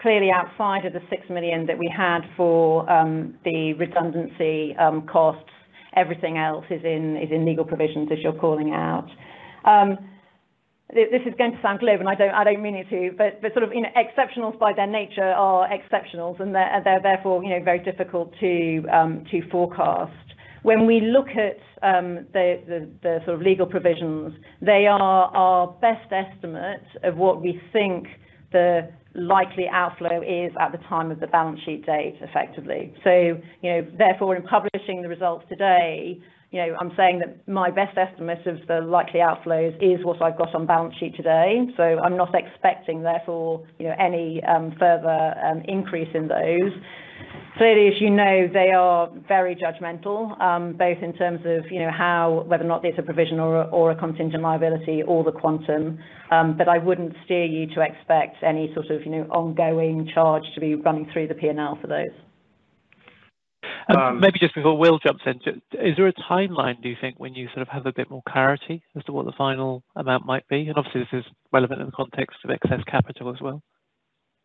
clearly outside of the 6 million that we had for the redundancy costs, everything else is in legal provisions, as you're calling out. This is going to sound glib, and I don't mean it to, but sort of, you know, exceptionals by their nature are exceptionals, and they're therefore, you know, very difficult to forecast. When we look at the sort of legal provisions, they are our best estimate of what we think the likely outflow is at the time of the balance sheet date, effectively. You know, therefore, in publishing the results today, you know, I'm saying that my best estimate of the likely outflows is what I've got on balance sheet today. I'm not expecting, therefore, you know, any further increase in those. Clearly, as you know, they are very judgmental, both in terms of, you know, how whether or not it's a provision or a contingent liability or the quantum. But I wouldn't steer you to expect any sort of, you know, ongoing charge to be running through the P&L for those. Um- Maybe just before Will jumps in, just is there a timeline, do you think, when you sort of have a bit more clarity as to what the final amount might be? Obviously, this is relevant in the context of excess capital as well.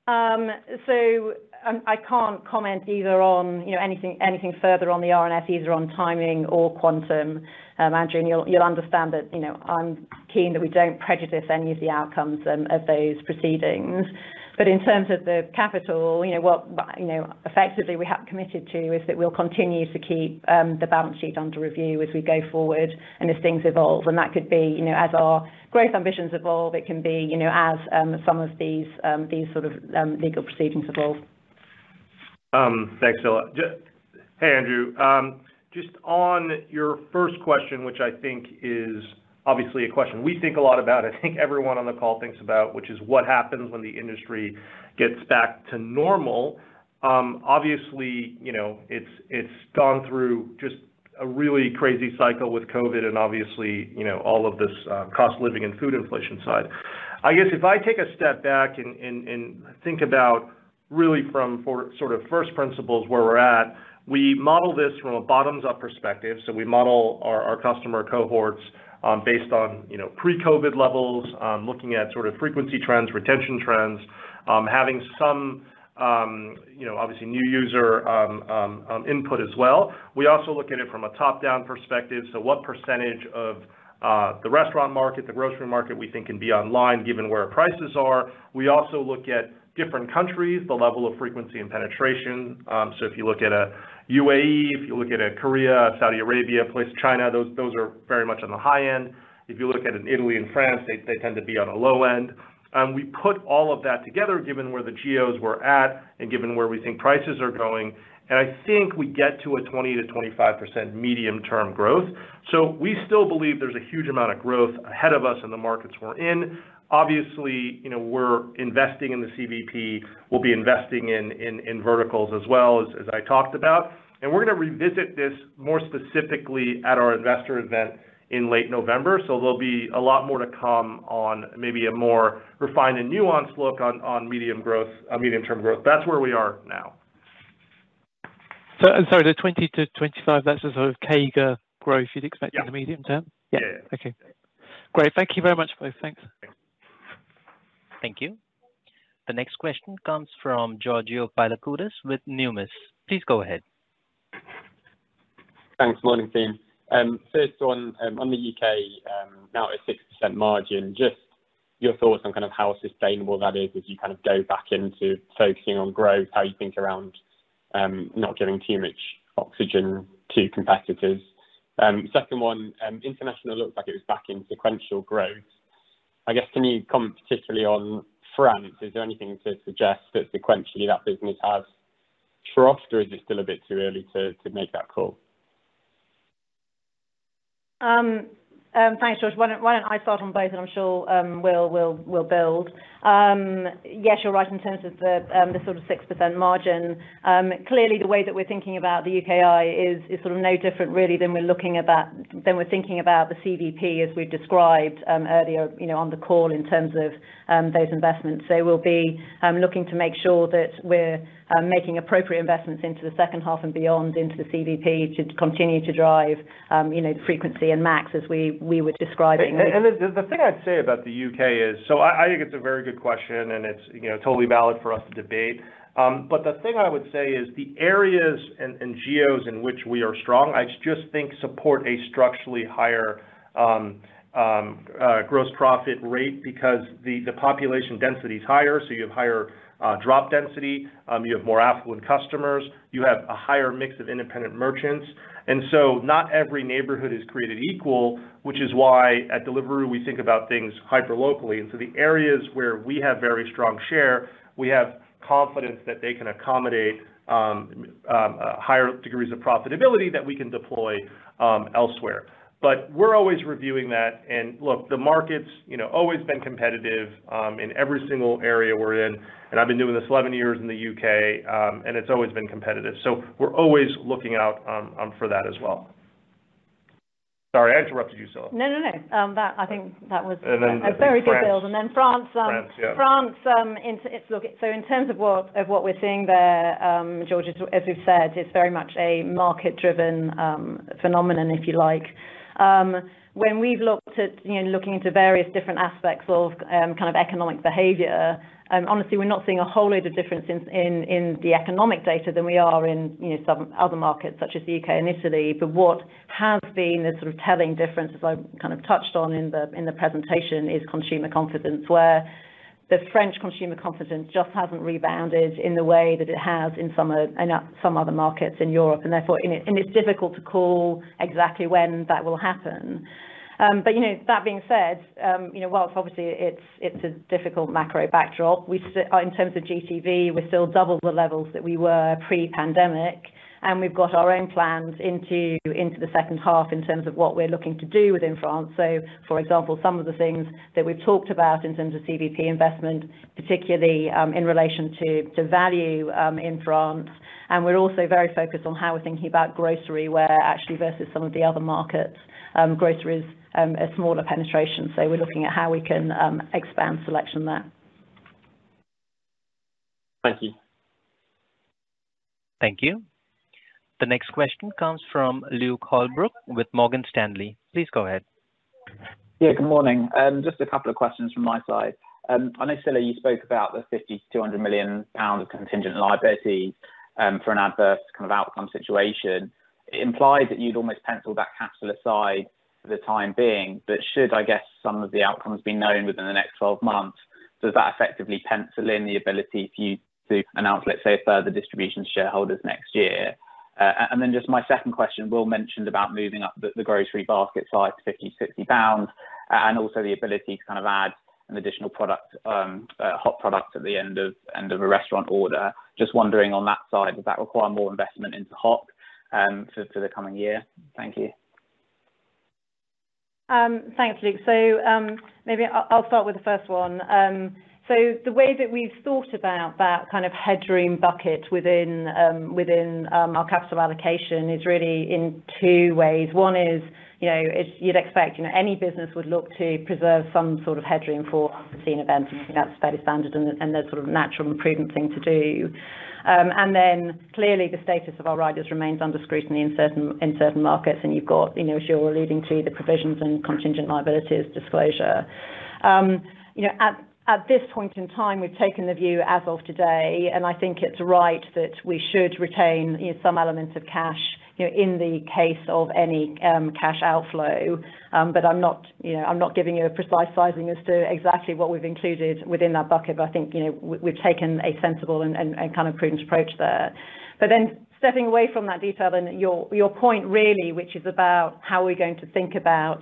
I can't comment either on, you know, anything, anything further on the RNS, either on timing or quantum. Andrew, and you'll, you'll understand that, you know, I'm keen that we don't prejudice any of the outcomes of those proceedings. In terms of the capital, you know, what, you know, effectively we have committed to is that we'll continue to keep the balance sheet under review as we go forward and as things evolve. That could be, you know, as our growth ambitions evolve, it can be, you know, as some of these, these sort of legal proceedings evolve. Thanks a lot. Hey, Andrew. Just on your first question, which I think is obviously a question we think a lot about, I think everyone on the call thinks about, which is what happens when the industry gets back to normal. Obviously, you know, it's, it's gone through just a really crazy cycle with COVID and obviously, you know, all of this, cost living and food inflation side. I guess if I take a step back and think about really from sort of first principles where we're at, we model this from a bottoms-up perspective. We model our customer cohorts, based on, you know, pre-COVID levels, looking at sort of frequency trends, retention trends, having some, you know, obviously new user input as well. We also look at it from a top-down perspective. What percentage of, the restaurant market, the grocery market, we think can be online, given where prices are? We also look at different countries, the level of frequency and penetration. If you look at a UAE, if you look at a Korea, Saudi Arabia, place, China, those, those are very much on the high end. If you look at an Italy and France, they, they tend to be on the low end. We put all of that together, given where the geos were at and given where we think prices are going, and I think we get to a 20%-25% medium-term growth. We still believe there's a huge amount of growth ahead of us in the markets we're in. Obviously, you know, we're investing in the CVP. We'll be investing in, in, in verticals as well as, as I talked about. We're going to revisit this more specifically at our investor event in late November. There'll be a lot more to come on, maybe a more refined and nuanced look on, on medium growth, medium-term growth. That's where we are now. Sorry, the 20-25, that's a sort of CAGR growth you'd expect. Yeah in the medium term? Yeah. Okay. Great. Thank you very much, both. Thanks. Thank you. The next question comes from Giorgio Paolini with Numis. Please go ahead. Thanks. Morning, team. First on, on the UK, now at 6% margin, just your thoughts on kind of how sustainable that is as you kind of go back into focusing on growth, how you think around not giving too much oxygen to competitors. Second one, international looks like it was back in sequential growth. I guess, can you comment particularly on France? Is there anything to suggest that sequentially that business has growth, or is it still a bit too early to make that call? Thanks, George. Why don't, why don't I start on both, and I'm sure, Will, Will, will build. Yes, you're right in terms of the sort of 6% margin. Clearly, the way that we're thinking about the UKI is, is sort of no different really than we're thinking about the CVP, as we described, earlier, you know, on the call in terms of those investments. We'll be looking to make sure that we're making appropriate investments into the second half and beyond into the CVP to continue to drive, you know, frequency and MACs, as we, we were describing. The thing I'd say about the UK is. I, I think it's a very good question, and it's, you know, totally valid for us to debate. But the thing I would say is the areas and, and geos in which we are strong, I just think support a structurally higher gross profit rate because the, the population density is higher, so you have higher drop density, you have more affluent customers, you have a higher mix of independent merchants. Not every neighborhood is created equal, which is why at Deliveroo, we think about things hyperlocally. The areas where we have very strong share, we have confidence that they can accommodate higher degrees of profitability that we can deploy elsewhere. We're always reviewing that, and look, the market's, you know, always been competitive in every single area we're in, and I've been doing this 11 years in the UK, and it's always been competitive. We're always looking out for that as well. I interrupted you, so- No, no, no. That I think that was- And then- A very good build. Then France, France, yeah. France. In terms of what, of what we're seeing there, George, as, as we've said, it's very much a market-driven phenomenon, if you like. When we've looked at, you know, looking into various different aspects of kind of economic behavior, honestly, we're not seeing a whole load of difference in, in, in the economic data than we are in, you know, some other markets, such as the UK and Italy. What has been the sort of telling difference, as I kind of touched on in the, in the presentation, is consumer confidence, where the French consumer confidence just hasn't rebounded in the way that it has in some, in some other markets in Europe, and therefore, and it, and it's difficult to call exactly when that will happen. You know, that being said, you know, while obviously it's, it's a difficult macro backdrop, we still in terms of GTV, we're still double the levels that we were pre-pandemic, and we've got our own plans into, into the second half in terms of what we're looking to do within France. For example, some of the things that we've talked about in terms of CVP investment, particularly in relation to, to value, in France, and we're also very focused on how we're thinking about grocery, where actually, versus some of the other markets, groceries, a smaller penetration. We're looking at how we can expand selection there. Thank you. Thank you. The next question comes from Luke Holbrook with Morgan Stanley. Please go ahead. Yeah, good morning. Just a couple of questions from my side. I know, Scilla, you spoke about the 50 million-200 million pounds of contingent liability for an adverse kind of outcome situation. It implied that you'd almost penciled that capital aside for the time being, but should, I guess, some of the outcomes be known within the next 12 months, does that effectively pencil in the ability for you to announce, let's say, further distribution to shareholders next year? Just my second question, Will mentioned about moving up the, the grocery basket size to 50 pounds, 60 pounds, and also the ability to kind of add an additional product, hot product at the end of, end of a restaurant order. Just wondering on that side, does that require more investment into hot for, for the coming year? Thank you. Thanks, Luke. Maybe I'll, I'll start with the first one. The way that we've thought about that kind of headroom bucket within, within our capital allocation is really in two ways. One is, you know, as you'd expect, you know, any business would look to preserve some sort of headroom for unforeseen events, and I think that's fairly standard and, and the sort of natural and prudent thing to do. Clearly, the status of our riders remains under scrutiny in certain, in certain markets, and you've got, you know, as you're leading to the provisions and contingent liabilities disclosure. You know, at, at this point in time, we've taken the view as of today, and I think it's right that we should retain, you know, some elements of cash, you know, in the case of any cash outflow. I'm not, you know, I'm not giving you a precise sizing as to exactly what we've included within that bucket, but I think, you know, we, we've taken a sensible and, and, and kind of prudent approach there. Stepping away from that detail, then your, your point really, which is about how we're going to think about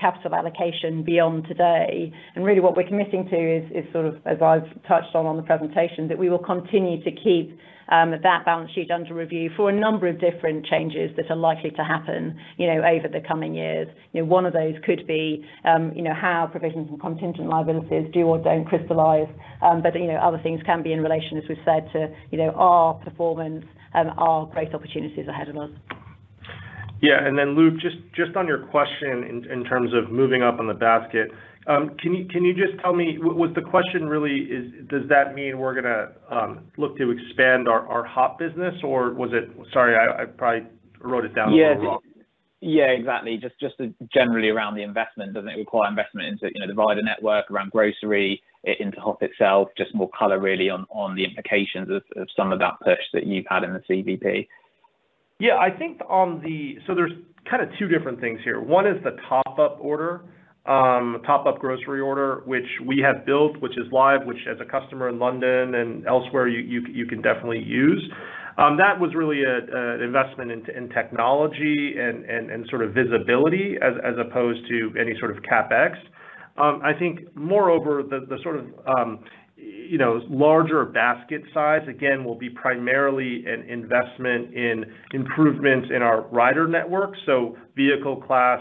capital allocation beyond today, and really what we're committing to is, is sort of, as I've touched on, on the presentation, that we will continue to keep that balance sheet under review for a number of different changes that are likely to happen, you know, over the coming years. You know, one of those could be, you know, how provisions and contingent liabilities do or don't crystallize, but, you know, other things can be in relation, as we've said, to, you know, our performance and our great opportunities ahead of us. Yeah, then, Luke, just, just on your question in, in terms of moving up on the basket, can you, can you just tell me, was the question really is, does that mean we're gonna, look to expand our, our hot business, or was it? Sorry, I, I probably wrote it down wrong. Yeah. Yeah, exactly. Just, just generally around the investment. Does it require investment into, you know, the rider network around grocery, into Hop itself? Just more color really on, on the implications of, of some of that push that you've had in the CVP. I think there's kind of 2 different things here. One is the top-up order, top-up grocery order, which we have built, which is live, which as a customer in London and elsewhere, you can definitely use. That was really a investment in technology and sort of visibility as opposed to any sort of CapEx. I think moreover, the sort of, you know, larger basket size, again, will be primarily an investment in improvements in our rider network. Vehicle class,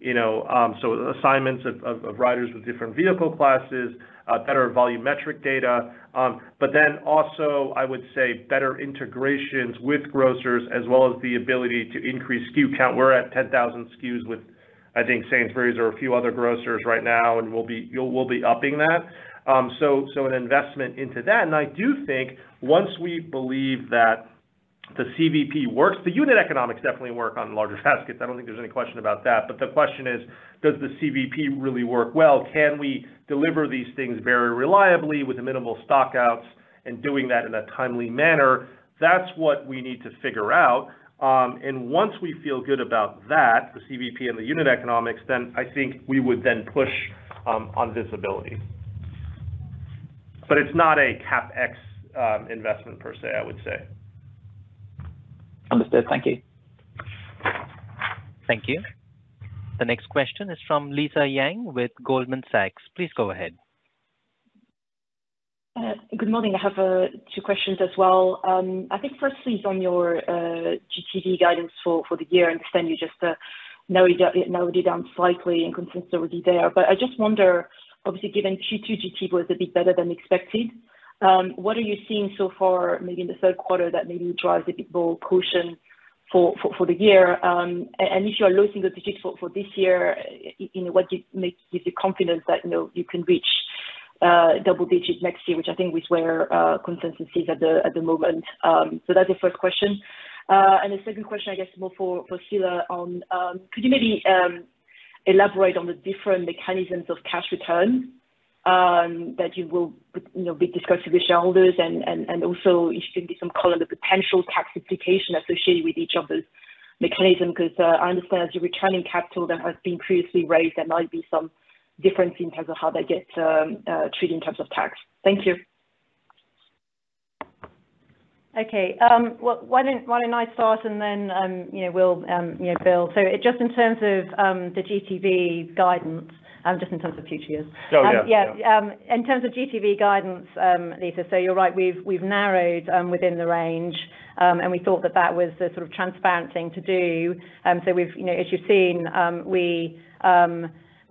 you know, so assignments of riders with different vehicle classes, better volumetric data, but then also, I would say better integrations with grocers, as well as the ability to increase SKU count. We're at 10,000 SKUs with, I think, Sainsbury's or a few other grocers right now. We'll be, you know, we'll be upping that. So, an investment into that, I do think once we believe that the CVP works, the unit economics definitely work on larger baskets. I don't think there's any question about that. The question is, does the CVP really work well? Can we deliver these things very reliably with minimal stock outs and doing that in a timely manner? That's what we need to figure out. Once we feel good about that, the CVP and the unit economics, then I think we would then push on visibility. It's not a CapEx investment per se, I would say. Understood. Thank you. Thank you. The next question is from Lisa Yang with Goldman Sachs. Please go ahead. Good morning. I have two questions as well. I think firstly, it's on your GTV guidance for the year. I understand you just narrowed it, narrowed it down slightly and consistency there. I just wonder, obviously, given Q2, GTV was a bit better than expected? What are you seeing so far, maybe in the third quarter, that maybe drives a bit more caution for the year? And if you are low single digits for this year, you know, what gives you confidence that, you know, you can reach double digits next year, which I think is where consensus is at the moment? That's the first question. The second question, I guess, more for, for Scilla on, could you maybe, elaborate on the different mechanisms of cash return that you will, you know, be discussing with shareholders and, and, and also if you can give some color on the potential tax implication associated with each of those mechanism? Because I understand as you're returning capital that has been previously raised, there might be some difference in terms of how they get treated in terms of tax. Thank you. Okay. Well, why don't, why don't I start and then, you know, we'll, you know, Bill. Just in terms of, the GTV guidance, just in terms of future years. Oh, yeah. Yeah. In terms of GTV guidance, Lisa, so you're right, we've, we've narrowed within the range. We thought that that was the sort of transparent thing to do. We've, you know, as you've seen, we,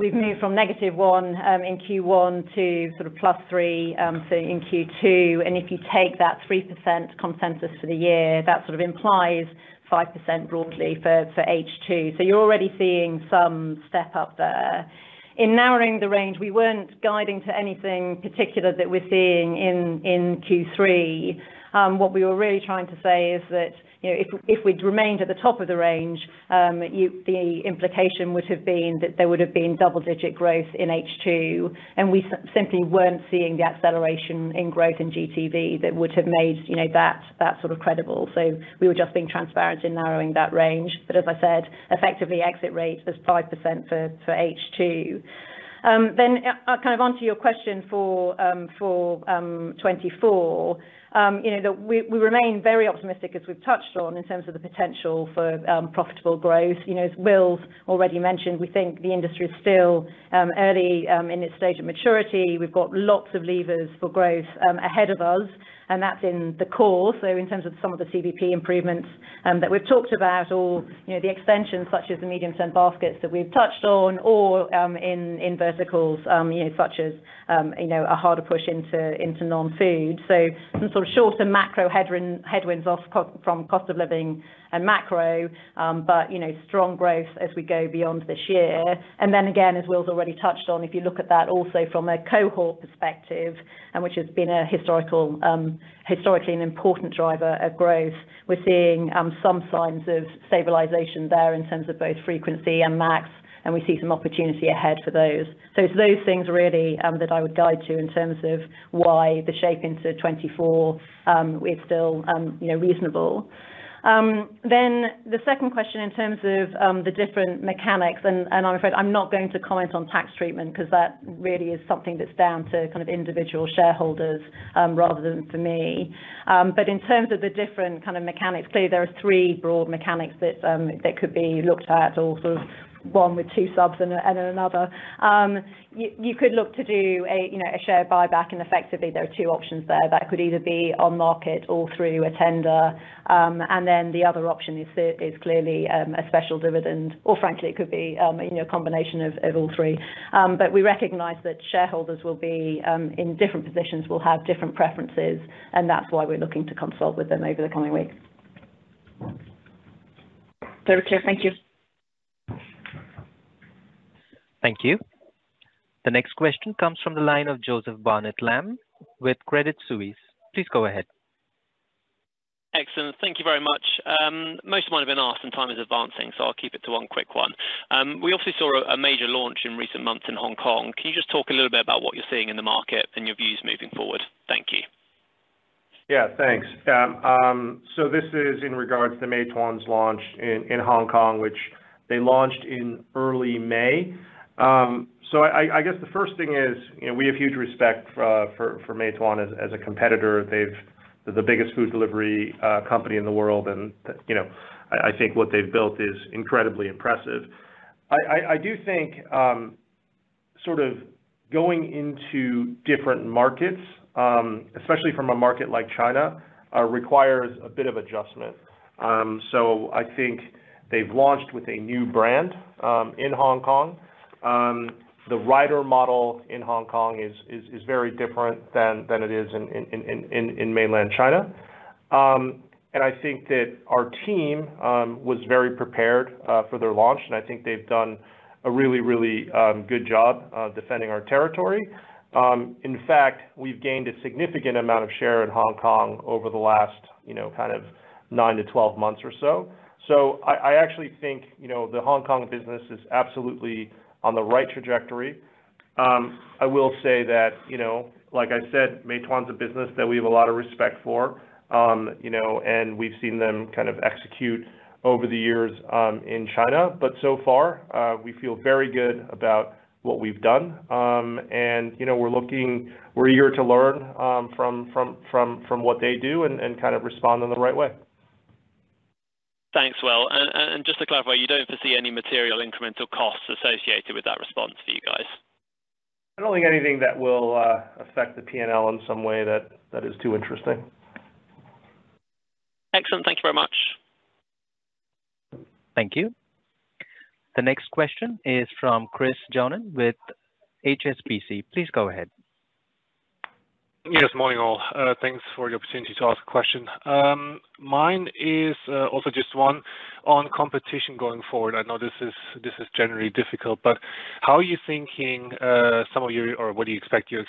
we've moved from -1 in Q1 to sort of +3, so in Q2, and if you take that 3% consensus for the year, that sort of implies 5% broadly for, for H2. You're already seeing some step-up there. In narrowing the range, we weren't guiding to anything particular that we're seeing in, in Q3. What we were really trying to say is that, you know, if, if we'd remained at the top of the range, you-- the implication would have been that there would have been double-digit growth in H2, and we simply weren't seeing the acceleration in growth in GTV that would have made, you know, that, that sort of credible. We were just being transparent in narrowing that range. As I said, effectively, exit rate is 5% for, for H2. Kind of onto your question for 2024. You know, the we, we remain very optimistic, as we've touched on, in terms of the potential for profitable growth. You know, as Will's already mentioned, we think the industry is still early in its stage of maturity. We've got lots of levers for growth ahead of us, and that's in the core. So in terms of some of the CVP improvements that we've talked about, or, you know, the extensions, such as the medium-term baskets that we've touched on, or, in, in verticals, you know, such as, you know, a harder push into, into non-food. So some sort of shorter macro headwinds from cost of living and macro, but, you know, strong growth as we go beyond this year. And then again, as Will's already touched on, if you look at that also from a cohort perspective, and which has been a historical, historically an important driver of growth, we're seeing some signs of stabilization there in terms of both frequency and MACs, and we see some opportunity ahead for those. It's those things really, that I would guide to in terms of why the shape into 2024 is still, you know, reasonable. The two question, in terms of the different mechanics, and, and I'm afraid I'm not going to comment on tax treatment, 'cause that really is something that's down to kind of individual shareholders, rather than for me. In terms of the different kind of mechanics, clearly there are three broad mechanics that, that could be looked at, or sort of one with two subs and, and another. You could look to do a, you know, a share buyback, and effectively there are two options there. That could either be on market or through a tender. The other option is clearly, a special dividend, or frankly, it could be, you know, a combination of, of all three. We recognize that shareholders will be in different positions, will have different preferences, and that's why we're looking to consult with them over the coming weeks. Very clear. Thank you. Thank you. The next question comes from the line of Joseph Barnett-Lam with Credit Suisse. Please go ahead. Excellent. Thank you very much. Most might have been asked, time is advancing, so I'll keep it to one quick one. We obviously saw a, a major launch in recent months in Hong Kong. Can you just talk a little bit about what you're seeing in the market and your views moving forward? Thank you. Yeah, thanks. This is in regards to the Meituan's launch in Hong Kong, which they launched in early May. I guess the first thing is, you know, we have huge respect for Meituan as a competitor. They're the biggest food delivery company in the world, and, you know, I think what they've built is incredibly impressive. I do think sort of going into different markets, especially from a market like China, requires a bit of adjustment. I think they've launched with a new brand in Hong Kong. The rider model in Hong Kong is very different than it is in mainland China. I think that our team was very prepared for their launch, and I think they've done a really, really good job defending our territory. In fact, we've gained a significant amount of share in Hong Kong over the last, you know, kind of 9-12 months or so. I, I actually think, you know, the Hong Kong business is absolutely on the right trajectory. I will say that, you know, like I said, Meituan's a business that we have a lot of respect for. You know, we've seen them kind of execute over the years in China, but so far, we feel very good about what we've done. You know, we're looking, we're eager to learn from what they do and kind of respond in the right way. Thanks, Will. Just to clarify, you don't foresee any material incremental costs associated with that response for you guys? I don't think anything that will affect the PNL in some way that, that is too interesting. Excellent. Thank you very much. Thank you. The next question is from Christin Johnen with HSBC. Please go ahead. Yes, morning, all. Thanks for the opportunity to ask a question. Mine is also just one on competition going forward. I know this is, this is generally difficult, but how are you thinking, some of your-- or what do you expect your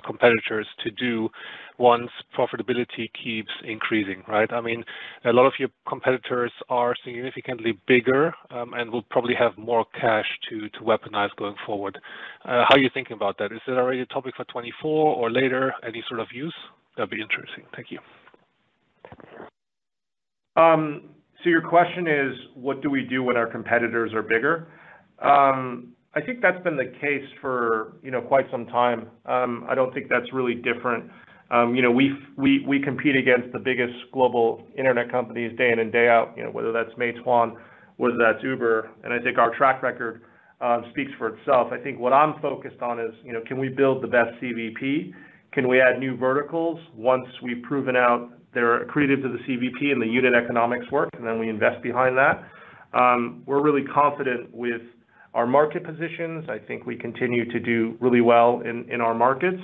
competitors to do once profitability keeps increasing, right? I mean, a lot of your competitors are significantly bigger, and will probably have more cash to, to weaponize going forward. How are you thinking about that? Is it already a topic for 2024 or later? Any sort of views? That'd be interesting. Thank you. Your question is, what do we do when our competitors are bigger? I think that's been the case for, you know, quite some time. I don't think that's really different. You know, we've, we, we compete against the biggest global internet companies day in and day out, you know, whether that's Meituan, whether that's Uber, I think our track record speaks for itself. I think what I'm focused on is, you know, can we build the best CVP? Can we add new verticals once we've proven out they're accretive to the CVP and the unit economics work, then we invest behind that? We're really confident with our market positions. I think we continue to do really well in, in our markets.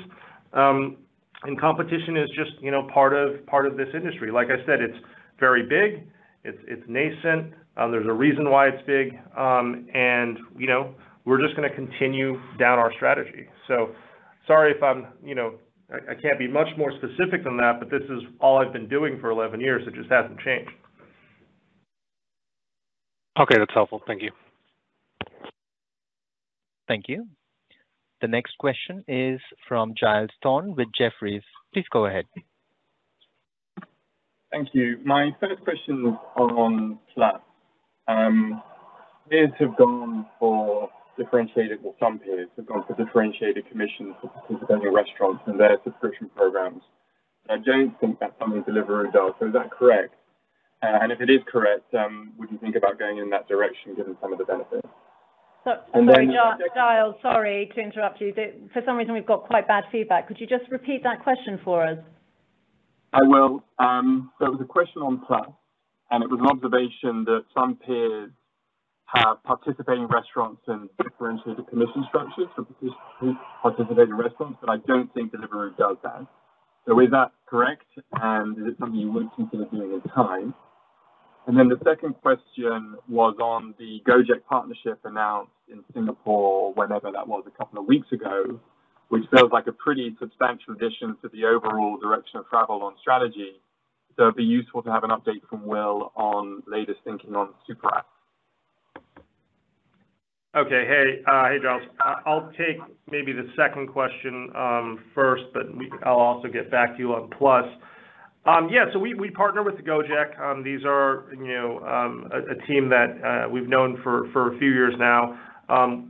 Competition is just, you know, part of, part of this industry. Like I said, it's very big. It's, it's nascent. There's a reason why it's big, and, you know, we're just gonna continue down our strategy. Sorry if I'm... You know, I, I can't be much more specific than that, but this is all I've been doing for 11 years. It just hasn't changed. Okay, that's helpful. Thank you. Thank you. The next question is from Giles Thorne with Jefferies. Please go ahead. Thank you. My first question is on Plus. Peers have gone for differentiated, well, some peers have gone for differentiated commissions for participating restaurants and their subscription programs. I don't think that Deliveroo does, so is that correct? If it is correct, would you think about going in that direction, given some of the benefits? Then- Sorry, Giles. Giles, sorry to interrupt you. For some reason, we've got quite bad feedback. Could you just repeat that question for us? I will. The question on Plus, it was an observation that some peers have participating restaurants and differentiated commission structures for participating restaurants, but I don't think Deliveroo does that. Is that correct, and is it something you would consider doing in time? Then the second question was on the Gojek partnership announced in Singapore, whenever that was, a couple of weeks ago, which feels like a pretty substantial addition to the overall direction of travel on strategy. It'd be useful to have an update from Will on latest thinking on Super App. Okay. Hey, hey, Giles. I, I'll take maybe the second question first. I'll also get back to you on Plus. Yeah, we partner with the Gojek. These are, you know, a team that we've known for a few years now.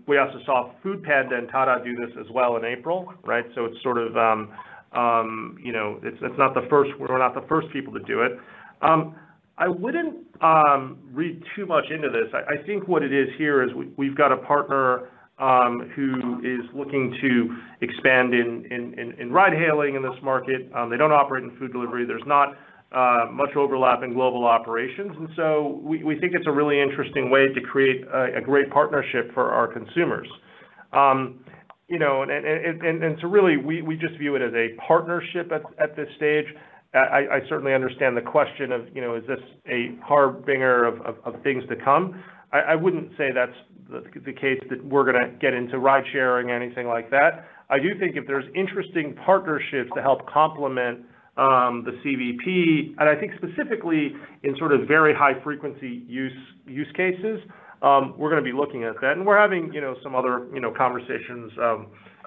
We also saw Foodpanda and Tata do this as well in April, right? It's sort of, you know, it's not the first. We're not the first people to do it. I wouldn't read too much into this. I think what it is here is we've got a partner who is looking to expand in ride hailing in this market. They don't operate in food delivery. There's not much overlap in global operations, and so we, we think it's a really interesting way to create a, a great partnership for our consumers. You know, and, and, and, and, and so really, we, we just view it as a partnership at, at this stage. I, I, I certainly understand the question of, you know, is this a harbinger of, of, of things to come? I, I wouldn't say that's the, the case that we're gonna get into ride-sharing or anything like that. I do think if there's interesting partnerships to help complement the CVP, and I think specifically in sort of very high-frequency use, use cases, we're gonna be looking at that. We're having, you know, some other, you know, conversations,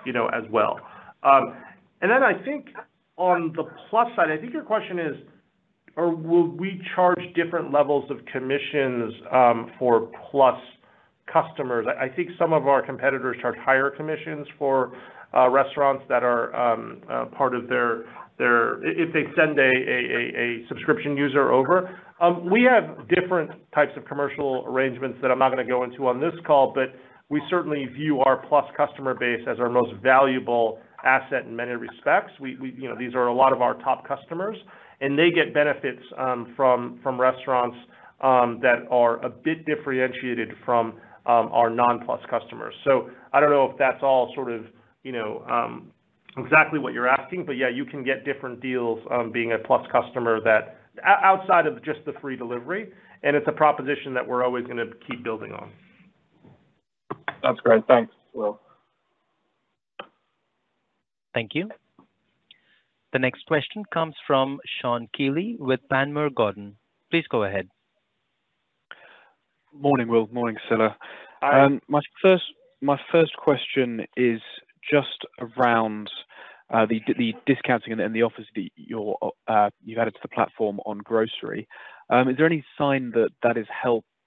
you know, as well. I think on the Plus side, I think your question is, or will we charge different levels of commissions for Plus customers? I think some of our competitors charge higher commissions for restaurants that are part of their. If they send a subscription user over. We have different types of commercial arrangements that I'm not gonna go into on this call, but we certainly view our Plus customer base as our most valuable asset in many respects. We, you know, these are a lot of our top customers, and they get benefits from restaurants that are a bit differentiated from our non-Plus customers. I don't know if that's all sort of, you know, exactly what you're asking, but yeah, you can get different deals, being a Plus customer that, outside of just the free delivery, and it's a proposition that we're always gonna keep building on. That's great. Thanks, Will. Thank you. The next question comes from Sean Kealy with Panmure Gordon. Please go ahead. Morning, Will. Morning, Scilla. Hi. My first, my first question is just around the discounting and the offers that you're, you've added to the platform on grocery. Is there any sign that that is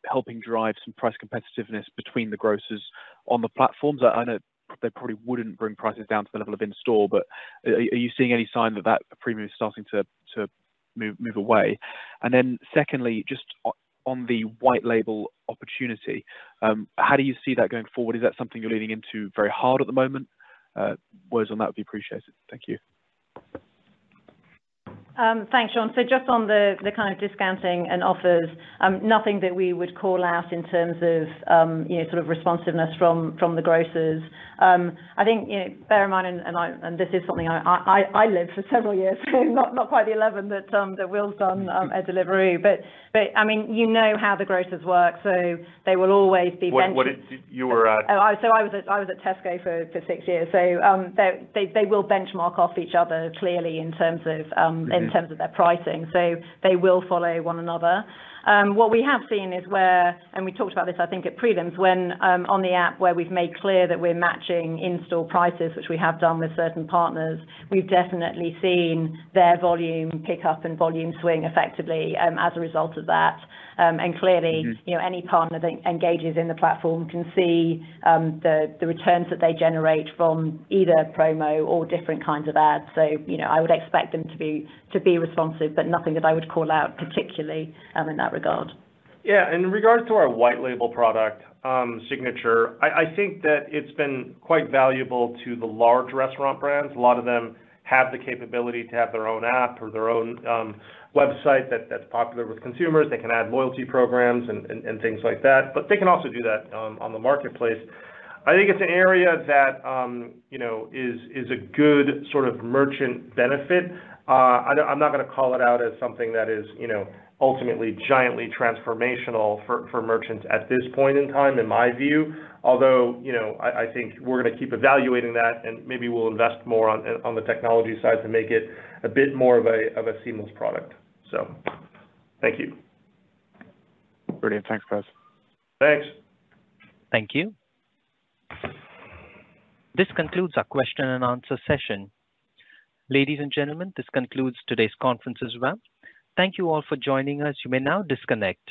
helping drive some price competitiveness between the grocers on the platforms? I, I know they probably wouldn't bring prices down to the level of in-store, but are you seeing any sign that that premium is starting to, to move, move away? Then secondly, just on the white label opportunity, how do you see that going forward? Is that something you're leaning into very hard at the moment? Words on that would be appreciated. Thank you. Thanks, Sean. Just on the, the kind of discounting and offers, nothing that we would call out in terms of, you know, sort of responsiveness from, from the grocers. I think, you know, bear in mind, and, and I, and this is something I, I, I lived for several years, so not, not quite the 11 that Will's done at Deliveroo. I mean, you know how the grocers work, so they will always be bench- You were at? I was at, I was at Tesco for, for six years. They, they, they will benchmark off each other clearly in terms of. Mm-hmm... in terms of their pricing, so they will follow one another. What we have seen is where, and we talked about this, I think, at prelims, when, on the app, where we've made clear that we're matching in-store prices, which we have done with certain partners, we've definitely seen their volume pick up and volume swing effectively, as a result of that. Clearly... Mm-hmm... you know, any partner that engages in the platform can see, the, the returns that they generate from either promo or different kinds of ads. You know, I would expect them to be, to be responsive, but nothing that I would call out particularly, in that regard. Yeah. In regards to our white-label product, Signature, I, I think that it's been quite valuable to the large restaurant brands. A lot of them have the capability to have their own app or their own website that, that's popular with consumers. They can add loyalty programs and, and, and things like that, but they can also do that on the marketplace. I think it's an area that, you know, is, is a good sort of merchant benefit. I'm not, I'm not gonna call it out as something that is, you know, ultimately giantly transformational for, for merchants at this point in time, in my view. Although, you know, I, I think we're gonna keep evaluating that, and maybe we'll invest more on, on the technology side to make it a bit more of a, of a seamless product. So thank you. Brilliant. Thanks, guys. Thanks. Thank you. This concludes our question and answer session. Ladies and gentlemen, this concludes today's conference as well. Thank you all for joining us. You may now disconnect.